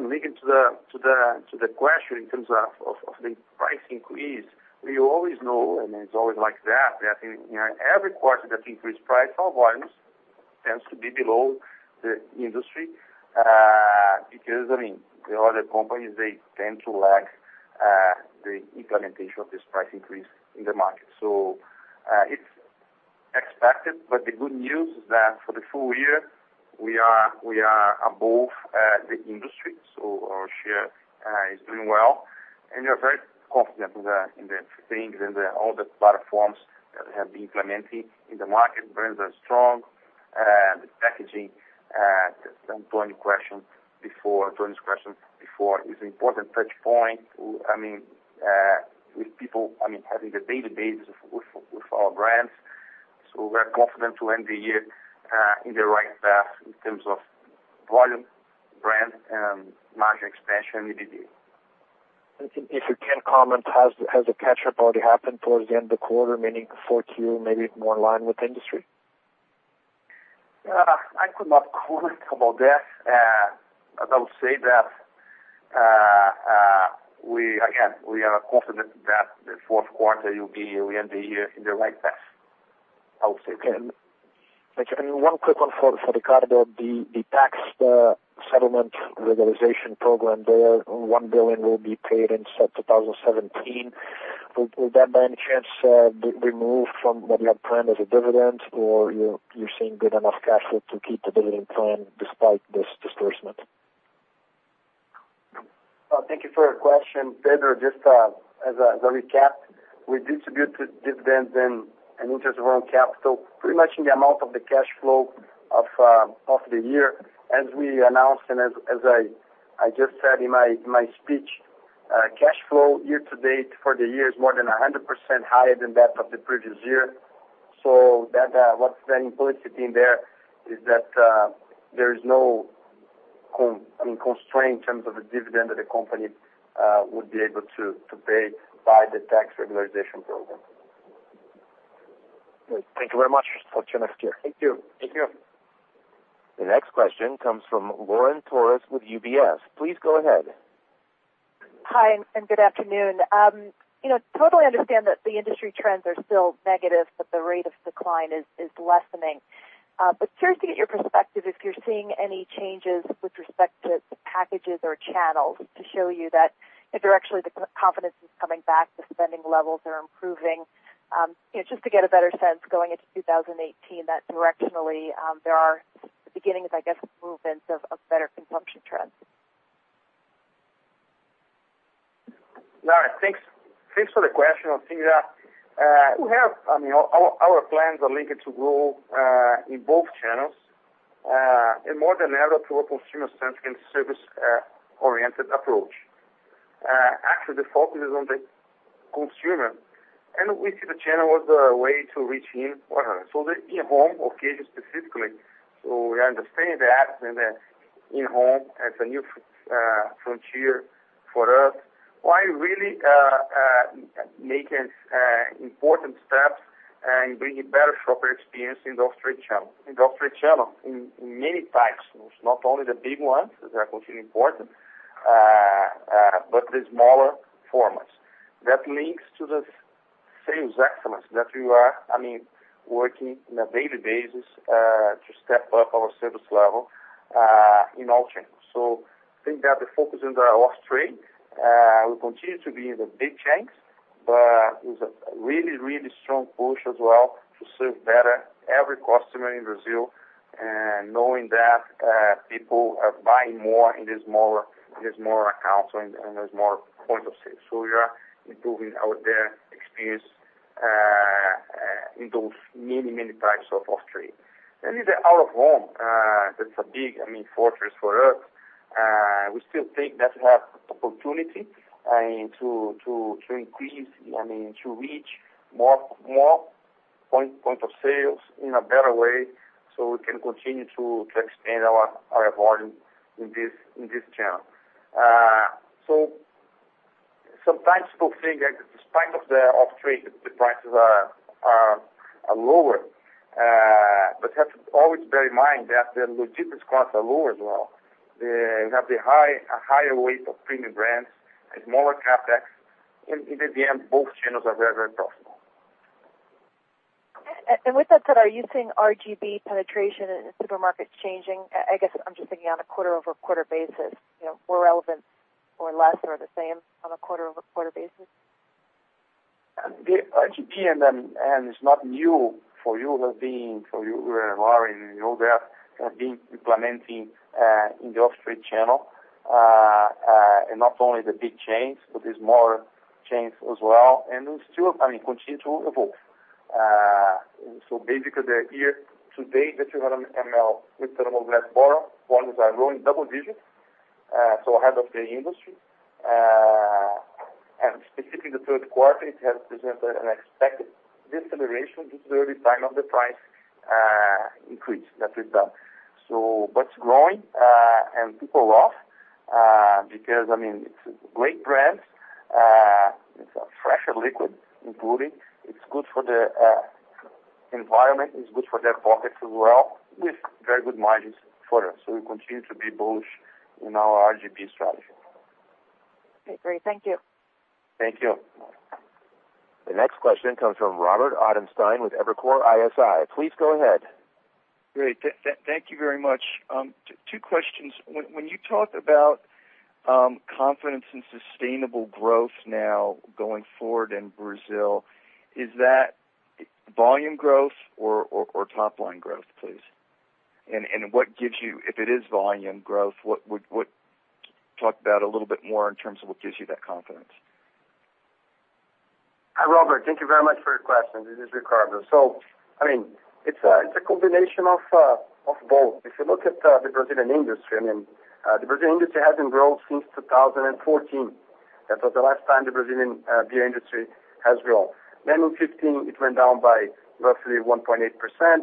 Linking to the question in terms of the price increase, we always know, and it's always like that in, you know, every quarter that price increase, our volumes tends to be below the industry, because I mean, the other companies, they tend to lack the implementation of this price increase in the market. It's expected, but the good news is that for the full year, we are above the industry. So our share is doing well, and we are very confident in the things and all the platforms that we have been implementing in the market. Brands are strong. The packaging to Antonio’s question before is an important touchpoint. I mean, with people, I mean, having the day to day with our brands. We're confident to end the year in the right path in terms of volume, brand and margin expansion year-to-date. If you can comment, has the catch up already happened towards the end of the quarter, meaning Q4, maybe more in line with industry? I could not comment about that. I would say that we are confident that we will be in the right path. I would say so. Okay. One quick one for Ricardo. The Tax Settlement Regularization Program there, 1 billion will be paid in 2017. Will that by any chance be removed from what you had planned as a dividend or you're seeing good enough cash flow to keep the dividend plan despite this disbursement? Thank you for your question, Pedro. Just as a recap, we distribute dividends and interest on capital pretty much in the amount of the cash flow of the year. As we announced and as I just said in my speech, cash flow, year-to-date, for the year is more than 100% higher than that of the previous year. That, what's been implicit in there is that, I mean, there is no constraint in terms of the dividend that the company would be able to pay by the Tax Regularization Program. Great. Thank you very much. Talk to you next year. Thank you. Thank you. The next question comes from Lauren Torres with UBS. Please go ahead. Hi, good afternoon. You know, totally understand that the industry trends are still negative, but the rate of decline is lessening. Curious to get your perspective if you're seeing any changes with respect to packages or channels to show you that, if they're actually the confidence is coming back, the spending levels are improving. You know, just to get a better sense going into 2018 that directionally, there are the beginnings, I guess, movements of better consumption trends. Lauren, thanks for the question. I think that I mean, our plans are linked to grow in both channels and more than ever through a consumer-centric and service oriented approach. Actually, the focus is on the consumer, and we see the channel as a way to reach him or her. The in-home occasion, specifically. We understand that ,and the in-home as a new frontier for us, while really making important steps and bringing better shopper experience in the off-street channel. In the off-street channel in many types, not only the big ones that are considered important, but the smaller formats. That links to the sales excellence that we are, I mean, working on a daily basis to step up our service level in all channels. I think that the focus in the off-trade will continue to be in the big chains, but with a really, really strong push as well to serve better every customer in Brazil and knowing that people are buying more in the smaller accounts and the smaller point of sale. We are improving their experience in those many, many types of off-trade. In the out of home, that's a big, I mean, fortress for us. We still think that we have opportunity, and to increase, I mean, to reach more point of sales in a better way so we can continue to expand our volume in this channel. Sometimes people think that despite of the off-trade, the prices are lower, but have to always bear in mind that the logistics costs are lower as well. We have a higher weight of premium brands and smaller CapEx. In the end, both channels are very profitable. With that said, are you seeing RGB penetration in the supermarket changing? I guess I'm just thinking on a quarter-over-quarter basis, you know, more relevant or less or the same on a quarter-over-quarter basis. The RGB and it's not new for you, Lauren. You know that we have been implementing in the off-trade channel, not only the big chains but the smaller chains as well. We still, I mean, continue to evolve. Basically the year-to-date, the 200 ml returnable glass bottle volumes are growing double digits, so ahead of the industry. Specifically the third quarter, it has presented an expected deceleration due to the redesign of the price increase that we've done. But it's growing, and people love it because, I mean, it's great brands, it's a fresher liquid, it's good for the environment, it's good for their pockets as well, with very good margins for us. We continue to be bullish in our RGB strategy. Okay, great. Thank you. Thank you. The next question comes from Robert Ottenstein with Evercore ISI. Please go ahead. Great. Thank you very much. Two questions. When you talk about confidence and sustainable growth now going forward in Brazil, is that volume growth or top line growth, please? What gives you, if it is volume growth? Talk about a little bit more in terms of what gives you that confidence. Hi, Robert. Thank you very much for your question. This is Ricardo. I mean, it's a combination of both. If you look at the Brazilian industry, I mean, the Brazilian industry hasn't grown since 2014. That was the last time the Brazilian beer industry has grown. Then in 2015, it went down by roughly 1.8%. In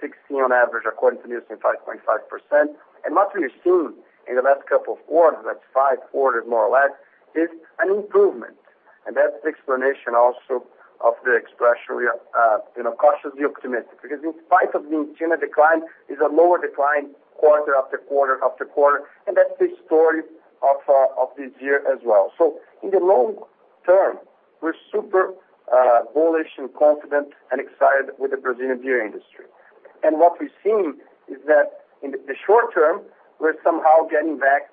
2016, on average, according to Nielsen, 5.5%. What we've seen in the last couple of quarters, that's five quarters more or less, is an improvement. That's the explanation also of the expression we are, you know, cautiously optimistic because in spite of being in a decline, it's a lower decline quarter-after-quarter after quarter, and that's the story of this year as well. In the long term, we're super bullish and confident and excited with the Brazilian beer industry. What we've seen is that in the short term, we're somehow getting back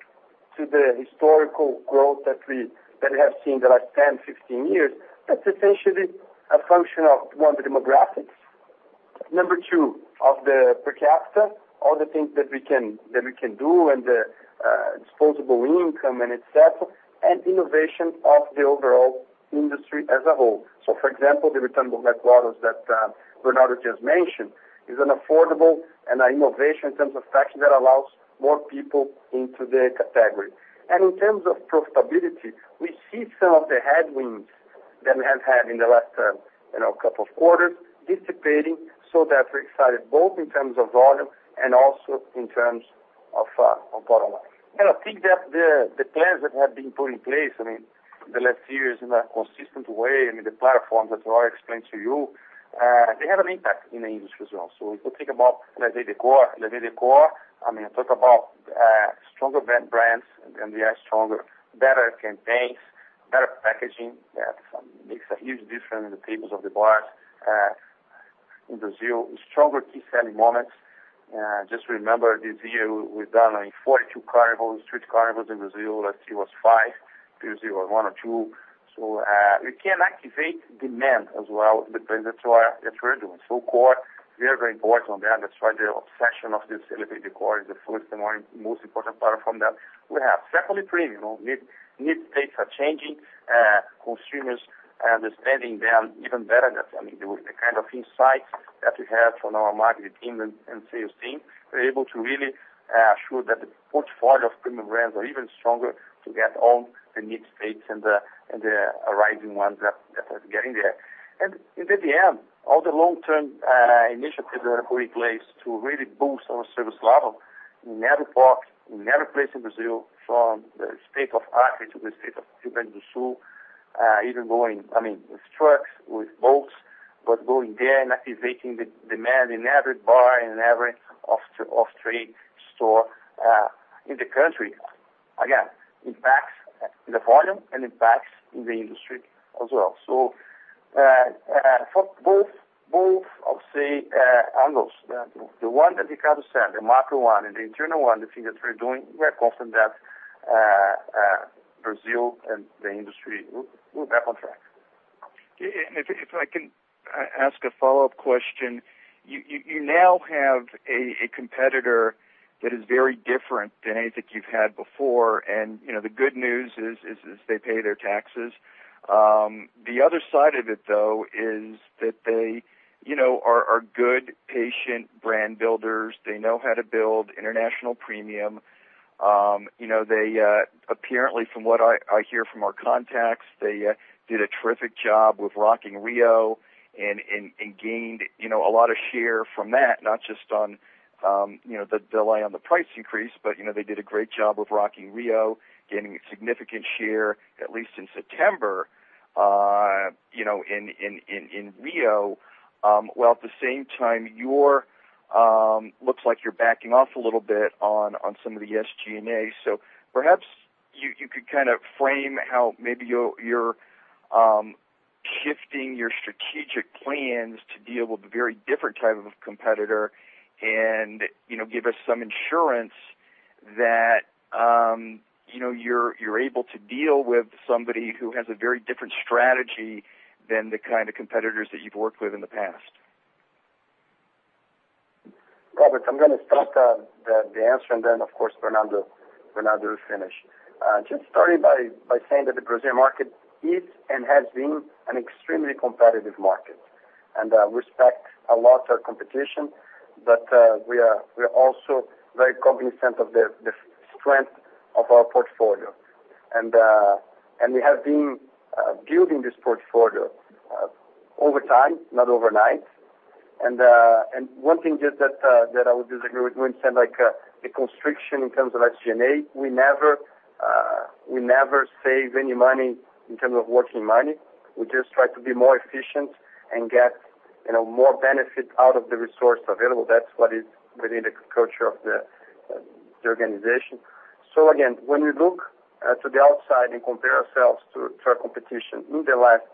to the historical growth that we have seen in the last 10, 15 years. That's essentially a function of, one, the demographics. Number two of the per capita, all the things that we can do and the disposable income and et cetera, and innovation of the overall industry as a whole. For example, the returnable glass bottles that Bernardo just mentioned is an affordable and an innovation in terms of packaging that allows more people into the category. In terms of profitability, we see some of the headwinds that we have had in the last couple of quarters dissipating so that we're excited both in terms of volume and also in terms of bottom line. I think that the plans that have been put in place, I mean, in the last few years in a consistent way, I mean, the platform that Ricardo explained to you, they have an impact in the industry as well. If you think about, let's say, the core, I mean, talk about stronger Brahma brands, and they are stronger, better campaigns, better packaging. That makes a huge difference in the tables of the bars in Brazil. Stronger key selling moments. Just remember this year we've done only four Carnivals, street Carnivals in Brazil. Last year was five. Previously was one or two. We can activate demand as well because that's what we're doing. Core, we are very focused on that. That's why the obsession of this Elevate the Core is the first and most important part from that. We have secondly, premium. Need states are changing, consumers understanding them even better. That's, I mean, the kind of insights that we have from our market team and sales team. We're able to really show that the portfolio of premium brands are even stronger to get all the need states and the rising ones that are getting there. In the end, all the long-term initiatives that are put in place to really boost our service level in every port, in every place in Brazil from the state of Acre to the state of Rio Grande do Sul, even going, I mean, with trucks, with boats, but going there and activating the demand in every bar and every off trade store in the country. Again, impacts the volume and impacts in the industry as well. For both of, say, angles, the one that Ricardo said, the macro one and the internal one, the thing that we're doing, we are confident that Brazil and the industry we're back on track. If I can ask a follow-up question. You now have a competitor that is very different than anything you've had before. You know, the good news is they pay their taxes. The other side of it, though, is that they, you know, are good patient brand builders. They know how to build international premium. You know, they apparently, from what I hear from our contacts, they did a terrific job with Rock in Rio and gained, you know, a lot of share from that, not just on, you know, the delay on the price increase, but, you know, they did a great job with Rock in Rio, gaining significant share, at least in September, you know, in Rio. While at the same time, it looks like you're backing off a little bit on some of the SG&A. Perhaps, you could kind of frame how maybe you're shifting your strategic plans to deal with a very different type of competitor and, you know, give us some insurance that you know you're able to deal with somebody who has a very different strategy than the kind of competitors that you've worked with in the past. Robert, I'm gonna start the answer, and then of course, Fernando will finish. Just starting by saying that the Brazilian market is and has been an extremely competitive market. We respect a lot our competition, but we are also very cognizant of the strength of our portfolio. We have been building this portfolio over time, not overnight. One thing just that I would disagree with when you said, like a constriction in terms of SG&A. We never save any money in terms of working money. We just try to be more efficient and get, you know, more benefit out of the resource available. That's what is within the culture of the organization. Again, when we look to the outside and compare ourselves to our competition in the last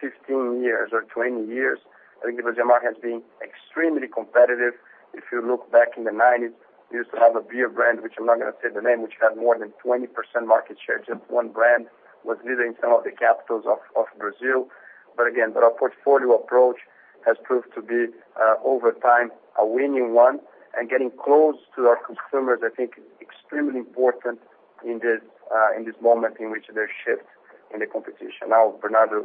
15 years or 20 years, I think the Brazilian market has been extremely competitive. If you look back in the 1990s, we used to have a beer brand, which I'm not gonna say the name, which had more than 20% market share. Just one brand was leading some of the capitals of Brazil. Again, our portfolio approach has proved to be over time a winning one and getting close to our consumers, I think is extremely important in this moment in which there's shift in the competition. Now, Bernardo.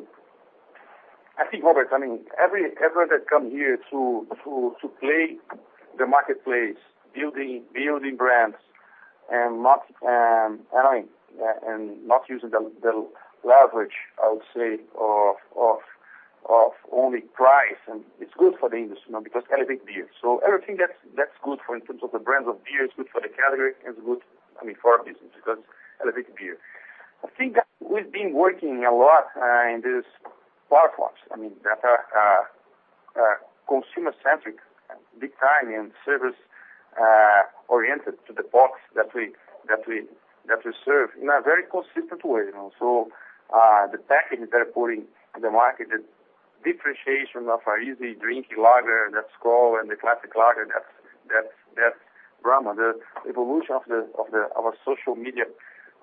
I think, Robert, I mean, everyone that come here to play the marketplace, building brands and not using the leverage, I would say, of only price, and it's good for the industry, you know, because everybody beers. Everything that's good for in terms of the brands of beer is good for the category and is good, I mean, for our business because everybody beer. I think that we've been working a lot in this platforms. I mean, that consumer centric, big time and service oriented to the box that we serve in a very consistent way, you know. The packages that are putting in the market, the differentiation of our easy drinking lager, that Skol and the classic lager, that's Brahma. The evolution of our social media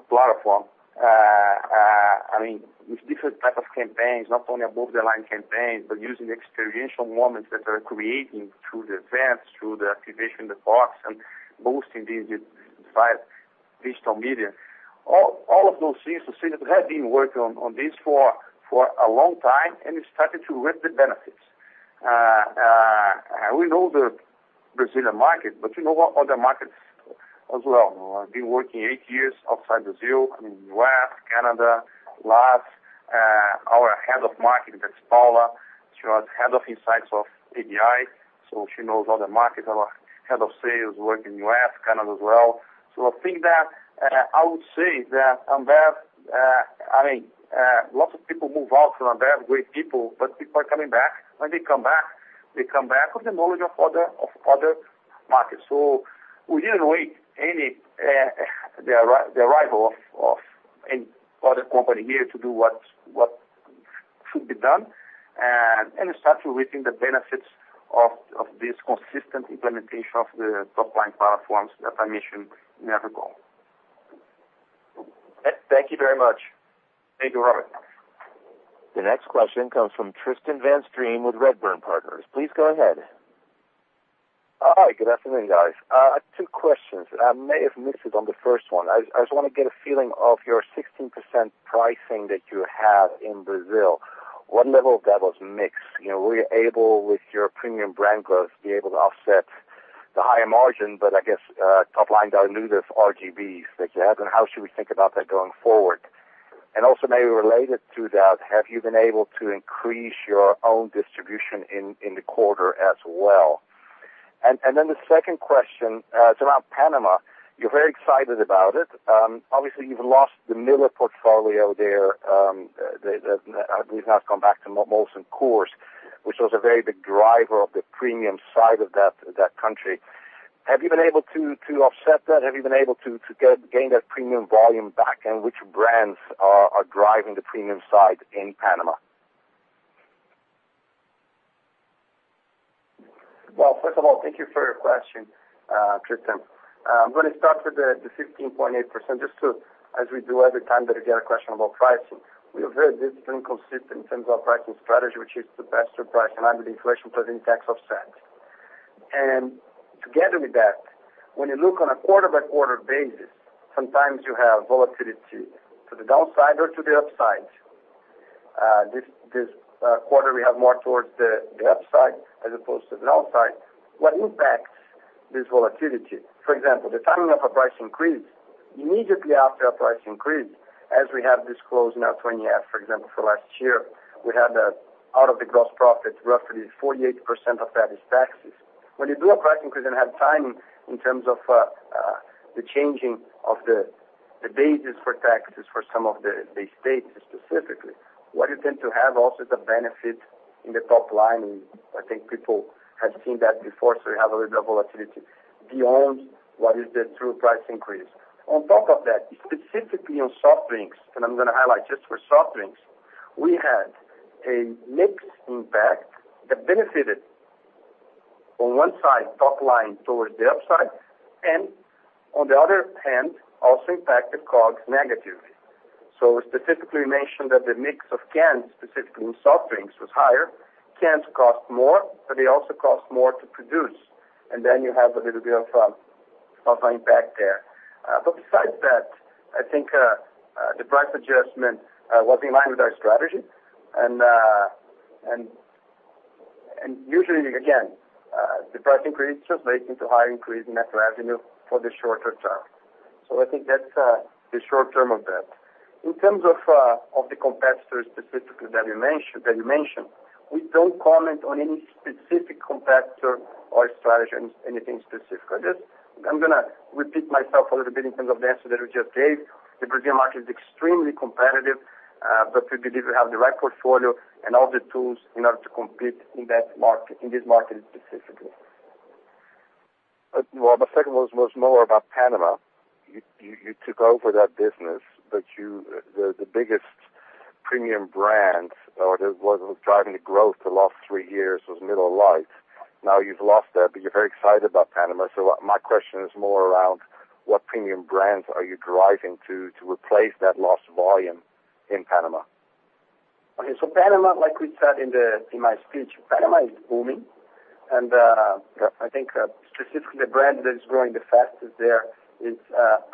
platform, I mean, with different type of campaigns, not only above the line campaigns, but using experiential moments that are creating through the events, through the activation in the box and boosting the five digital media. All of those things, you see, that we have been working on this for a long time and we're starting to reap the benefits. We know the Brazilian market, but we know other markets as well. You know, I've been working eight years outside Brazil, I mean, U.S., Canada. LAS, our Head of Marketing, that's Paula, she was Head of Insights of ABI, so she knows all the markets. Our Head of Sales worked in U.S., Canada as well. I think that I would say that Ambev, I mean, lots of people move out from Ambev, great people, but people are coming back. When they come back, they come back with the knowledge of other markets. We didn't wait for the arrival of any other company here to do what should be done, and we start to reaping the benefits of this consistent implementation of the top-line platforms that I mentioned in our goal. Thank you very much. Thank you, Robert. The next question comes from Tristan van Strien with Redburn Partners. Please go ahead. Hi, good afternoon, guys. Two questions. I may have missed it on the first one. I just wanna get a feeling of your 16% pricing that you have in Brazil. What level of that was mixed? You know, were you able, with your premium brand growth, be able to offset the higher margin, but I guess, top line dilutive RGBs that you have, and how should we think about that going forward? Also maybe related to that, have you been able to increase your own distribution in the quarter as well? The second question, it's around Panama. You're very excited about it. Obviously, you've lost the Miller portfolio there. They’ve now come back to Molson Coors, which was a very big driver of the premium side of that country. Have you been able to offset that? Have you been able to gain that premium volume back, and which brands are driving the premium side in Panama? Well, first of all, thank you for your question, Tristan. I'm gonna start with the 16.8% just to, as we do every time that we get a question about pricing. We are very disciplined, consistent in terms of our pricing strategy, which is the best price in line with inflation plus any tax offset. Together with that, when you look on a quarter by quarter basis, sometimes you have volatility to the downside or to the upside. This quarter we have more towards the upside as opposed to the downside. What impacts this volatility, for example, the timing of a price increase, immediately after a price increase, as we have disclosed in our 20-F, for example, for last year, we had out of the gross profit, roughly 48% of that is taxes. When you do a price increase and have timing in terms of the changing of the basis for taxes for some of the states specifically, what you tend to have also is the benefit in the top line, and I think people have seen that before. We have a little bit of volatility beyond what is the true price increase. On top of that, specifically on soft drinks, and I'm gonna highlight just for soft drinks, we had a mix impact that benefited on one side, top line towards the upside, and on the other hand, also impacted COGS negatively. Specifically mentioned that the mix of cans, specifically in soft drinks, was higher. Cans cost more, but they also cost more to produce. Then you have a little bit of impact there. Besides that, I think, the price adjustment was in line with our strategy. Usually again, the price increase translates into higher increase in net revenue for the shorter term. I think that's the short term of that. In terms of the competitors specifically, that you mentioned, we don't comment on any specific competitor or strategy, anything specific. I'm gonna repeat myself a little bit in terms of the answer that we just gave. The Brazilian market is extremely competitive, but we believe we have the right portfolio and all the tools in order to compete in that market, in this market specifically. Well, the second one was more about Panama. You took over that business, but the biggest premium brand one that was driving the growth the last three years was Miller Lite. Now you've lost that, but you're very excited about Panama. My question is more around what premium brands are you driving to replace that lost volume in Panama? Okay. Panama, like we said in my speech, Panama is booming. I think, specifically the brand that is growing the fastest there is,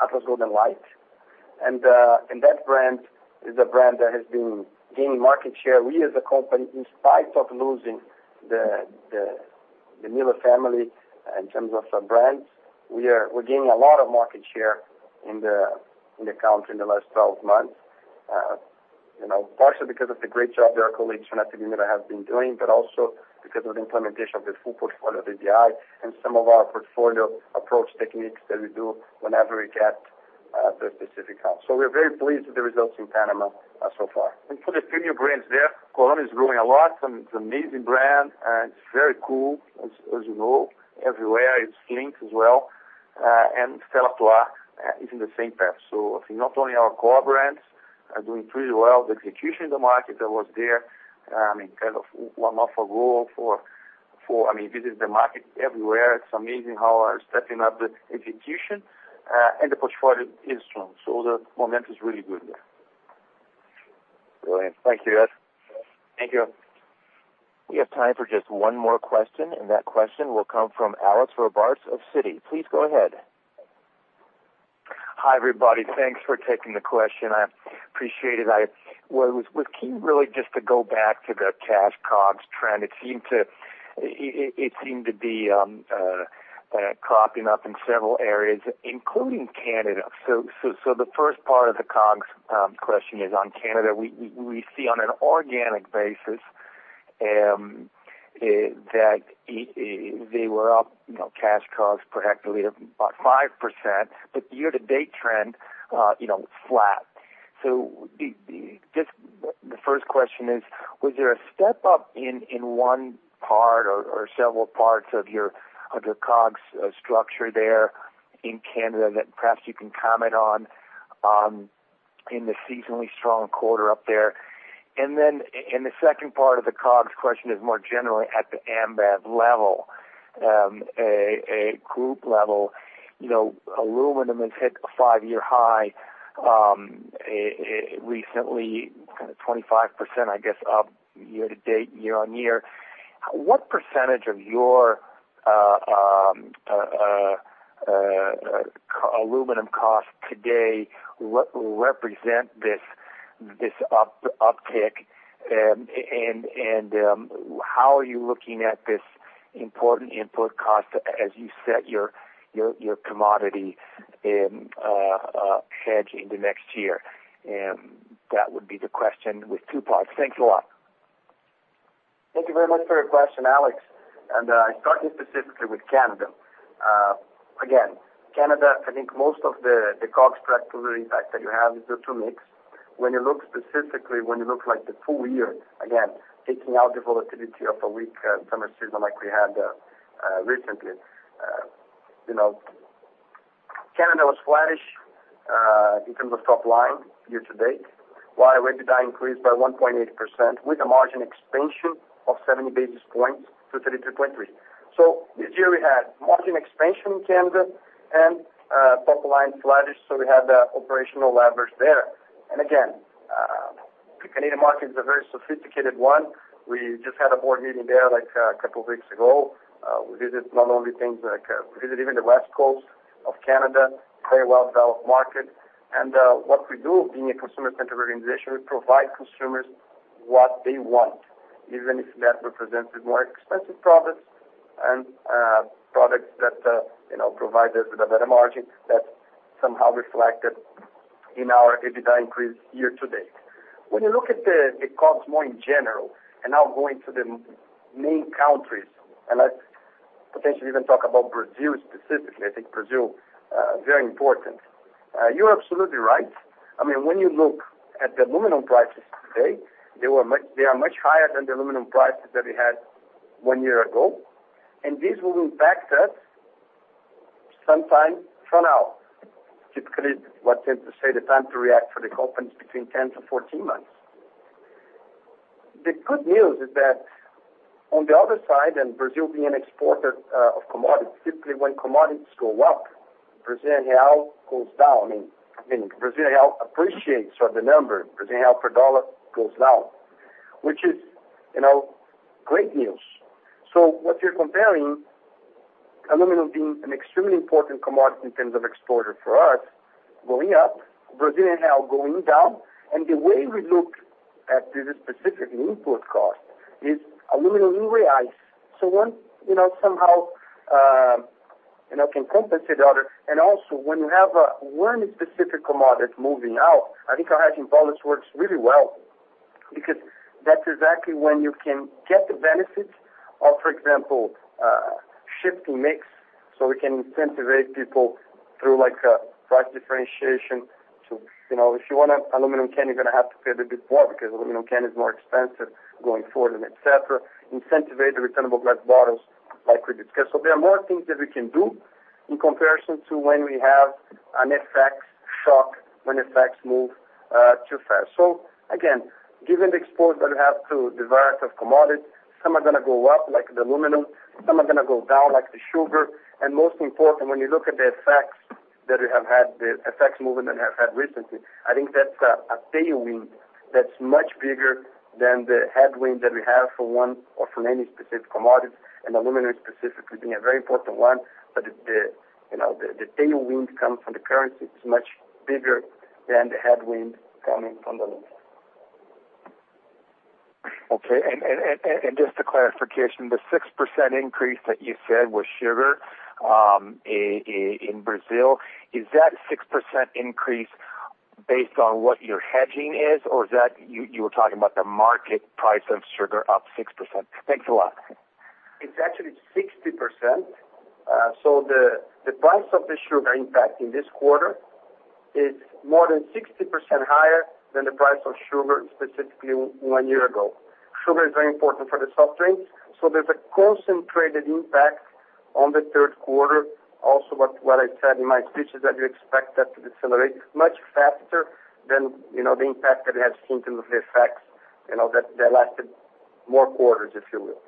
Atlas Golden Light. That brand is a brand that has been gaining market share. We, as a company, in spite of losing the Miller family in terms of the brands, we're gaining a lot of market share in the country in the last 12 months, you know, partially because of the great job their colleagues at Molson Coors have been doing, but also because of the implementation of the full portfolio of ABI and some of our portfolio approach techniques that we do whenever we get the specific account. We're very pleased with the results in Panama so far. For the premium brands there, Corona is growing a lot. It's amazing brand, and it's very cool, as you know, everywhere. It's [Flink] as well, and Stella Artois is in the same path. I think not only our core brands are doing pretty well, the execution in the market that was there, I mean, kind of one of a goal for, I mean, visit the market everywhere. It's amazing how they're stepping up the execution, and the portfolio is strong. The momentum is really good there. Brilliant. Thank you, Ric. Thank you. We have time for just one more question, and that question will come from Alex Robarts of Citi. Please go ahead. Hi, everybody. Thanks for taking the question. I appreciate it. I was keen really just to go back to the cash COGS trend. It seemed to be cropping up in several areas, including Canada. The first part of the COGS question is on Canada. We see on an organic basis that they were up, you know, cash COGS proactively about 5%, but year-to-date trend, you know, flat. Just the first question is, was there a step-up in one part or several parts of your COGS structure there in Canada that perhaps you can comment on in the seasonally strong quarter up there? In the second part of the COGS question is more generally at the Ambev level, a group level. You know, aluminum has hit a five-year high recently, kind of 25%, I guess, up year-to-date, year-on-year. What percentage of your aluminum costs today represent this uptick? How are you looking at this important input cost as you set your commodity hedge in the next year? That would be the question with two parts. Thanks a lot. Thank you very much for your question, Alex. Starting specifically with Canada. Again, Canada, I think most of the COGS structure impact that you have is the mix. When you look specifically at the full year, again, taking out the volatility of a weak summer season like we had recently, you know, Canada was flattish in terms of top line, year-to-date, while EBITDA increased by 1.8% with a margin expansion of 70 basis points to 33.3%. This year we had margin expansion in Canada and top line flattish, so we had the operational leverage there. Again, the Canadian market is a very sophisticated one. We just had a board meeting there, like, a couple weeks ago. We visit even the West Coast of Canada, very well-developed market. What we do, being a consumer-centric organization, we provide consumers what they want, even if that represents more expensive products and products that, you know, provide us with a better margin. That's somehow reflected in our EBITDA increase, year-to-date. When you look at the COGS more in general, and now going to the main countries, and let's potentially even talk about Brazil specifically. I think Brazil very important. You're absolutely right. I mean, when you look at the aluminum prices today, they are much higher than the aluminum prices that we had one year ago, and this will impact us sometime from now. Typically, what I tend to say, the time to react for the company is between 10–14 months. The good news is that, on the other side, and Brazil being an exporter of commodities, typically, when commodities go up, Brazilian real goes down. I mean, Brazilian real appreciates, so the number, Brazilian real per dollar goes down, which is, you know, great news. What you're comparing, aluminum being an extremely important commodity in terms of exporter for us, going up, Brazilian real going down. The way we look at the specific input cost is aluminum in reais. So one, you know, somehow, you know, can compensate the other. When you have one specific commodity moving out, I think our hedging policy works really well because that's exactly when you can get the benefit of, for example, shifting mix, so we can incentivize people through, like, a price differentiation. You know, if you want a aluminum can, you're gonna have to pay a bit more because aluminum can is more expensive going forward, and et cetera. Incentivize the returnable glass bottles like we discussed. There are more things that we can do in comparison to when we have an FX shock, when FX move too fast. Again, given the exposure that we have to the variety of commodities, some are gonna go up like the aluminum, some are gonna go down like the sugar. Most important, when you look at the FX that we have had, the FX movement that we have had recently, I think that's a tailwind that's much bigger than the headwind that we have for one or for many specific commodities, and aluminum specifically being a very important one. You know, the tailwind coming from the currency is much bigger than the headwind coming from the aluminum. Just a clarification. The 6% increase that you said was sugar in Brazil, is that 6% increase based on what your hedging is or is that you were talking about the market price of sugar up 6%? Thanks a lot. It's actually 60%. The price of the sugar impact in this quarter is more than 60% higher than the price of sugar specifically one year ago. Sugar is very important for the soft drinks, so there's a concentrated impact on the third quarter. Also, what I said in my speech is that we expect that to decelerate much faster than, you know, the impact that we have seen from the effects, you know, that lasted more quarters, if you will.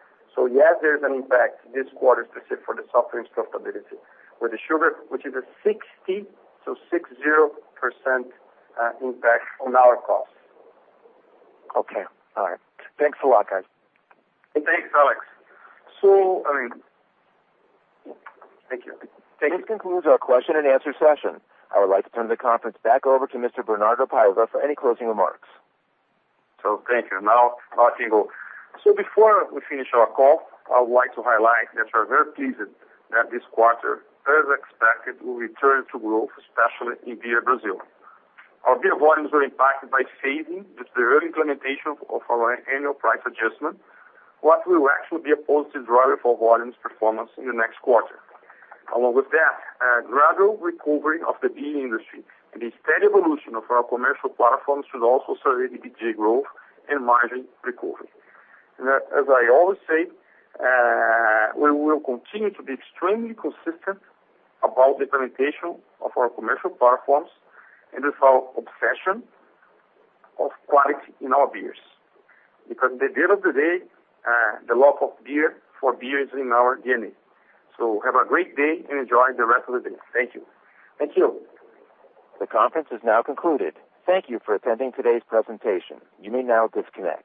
Yes, there's an impact this quarter specifically for the soft drinks profitability, with the sugar, which is a 60%, so 60% impact on our costs. Okay. All right. Thanks a lot, guys. Thanks, Alex. I mean, thank you. This concludes our question and answer session. I would like to turn the conference back over to Mr. Bernardo Paiva for any closing remarks. Thank you. Now I can go. Before we finish our call, I would like to highlight that we're very pleased that this quarter, as expected, will return to growth, especially in Beer Brazil. Our beer volumes were impacted by fading with the early implementation of our annual price adjustment. What will actually be a positive driver for volumes performance in the next quarter. Along with that, gradual recovery of the beer industry and the steady evolution of our commercial platforms should also facilitate the beer growth and margin recovery. As I always say, we will continue to be extremely consistent about the implementation of our commercial platforms and with our obsession of quality in our beers. Because at the end of the day, the love of beer for beer is in our DNA. Have a great day and enjoy the rest of the day. Thank you. Thank you. The conference is now concluded. Thank you for attending today's presentation. You may now disconnect.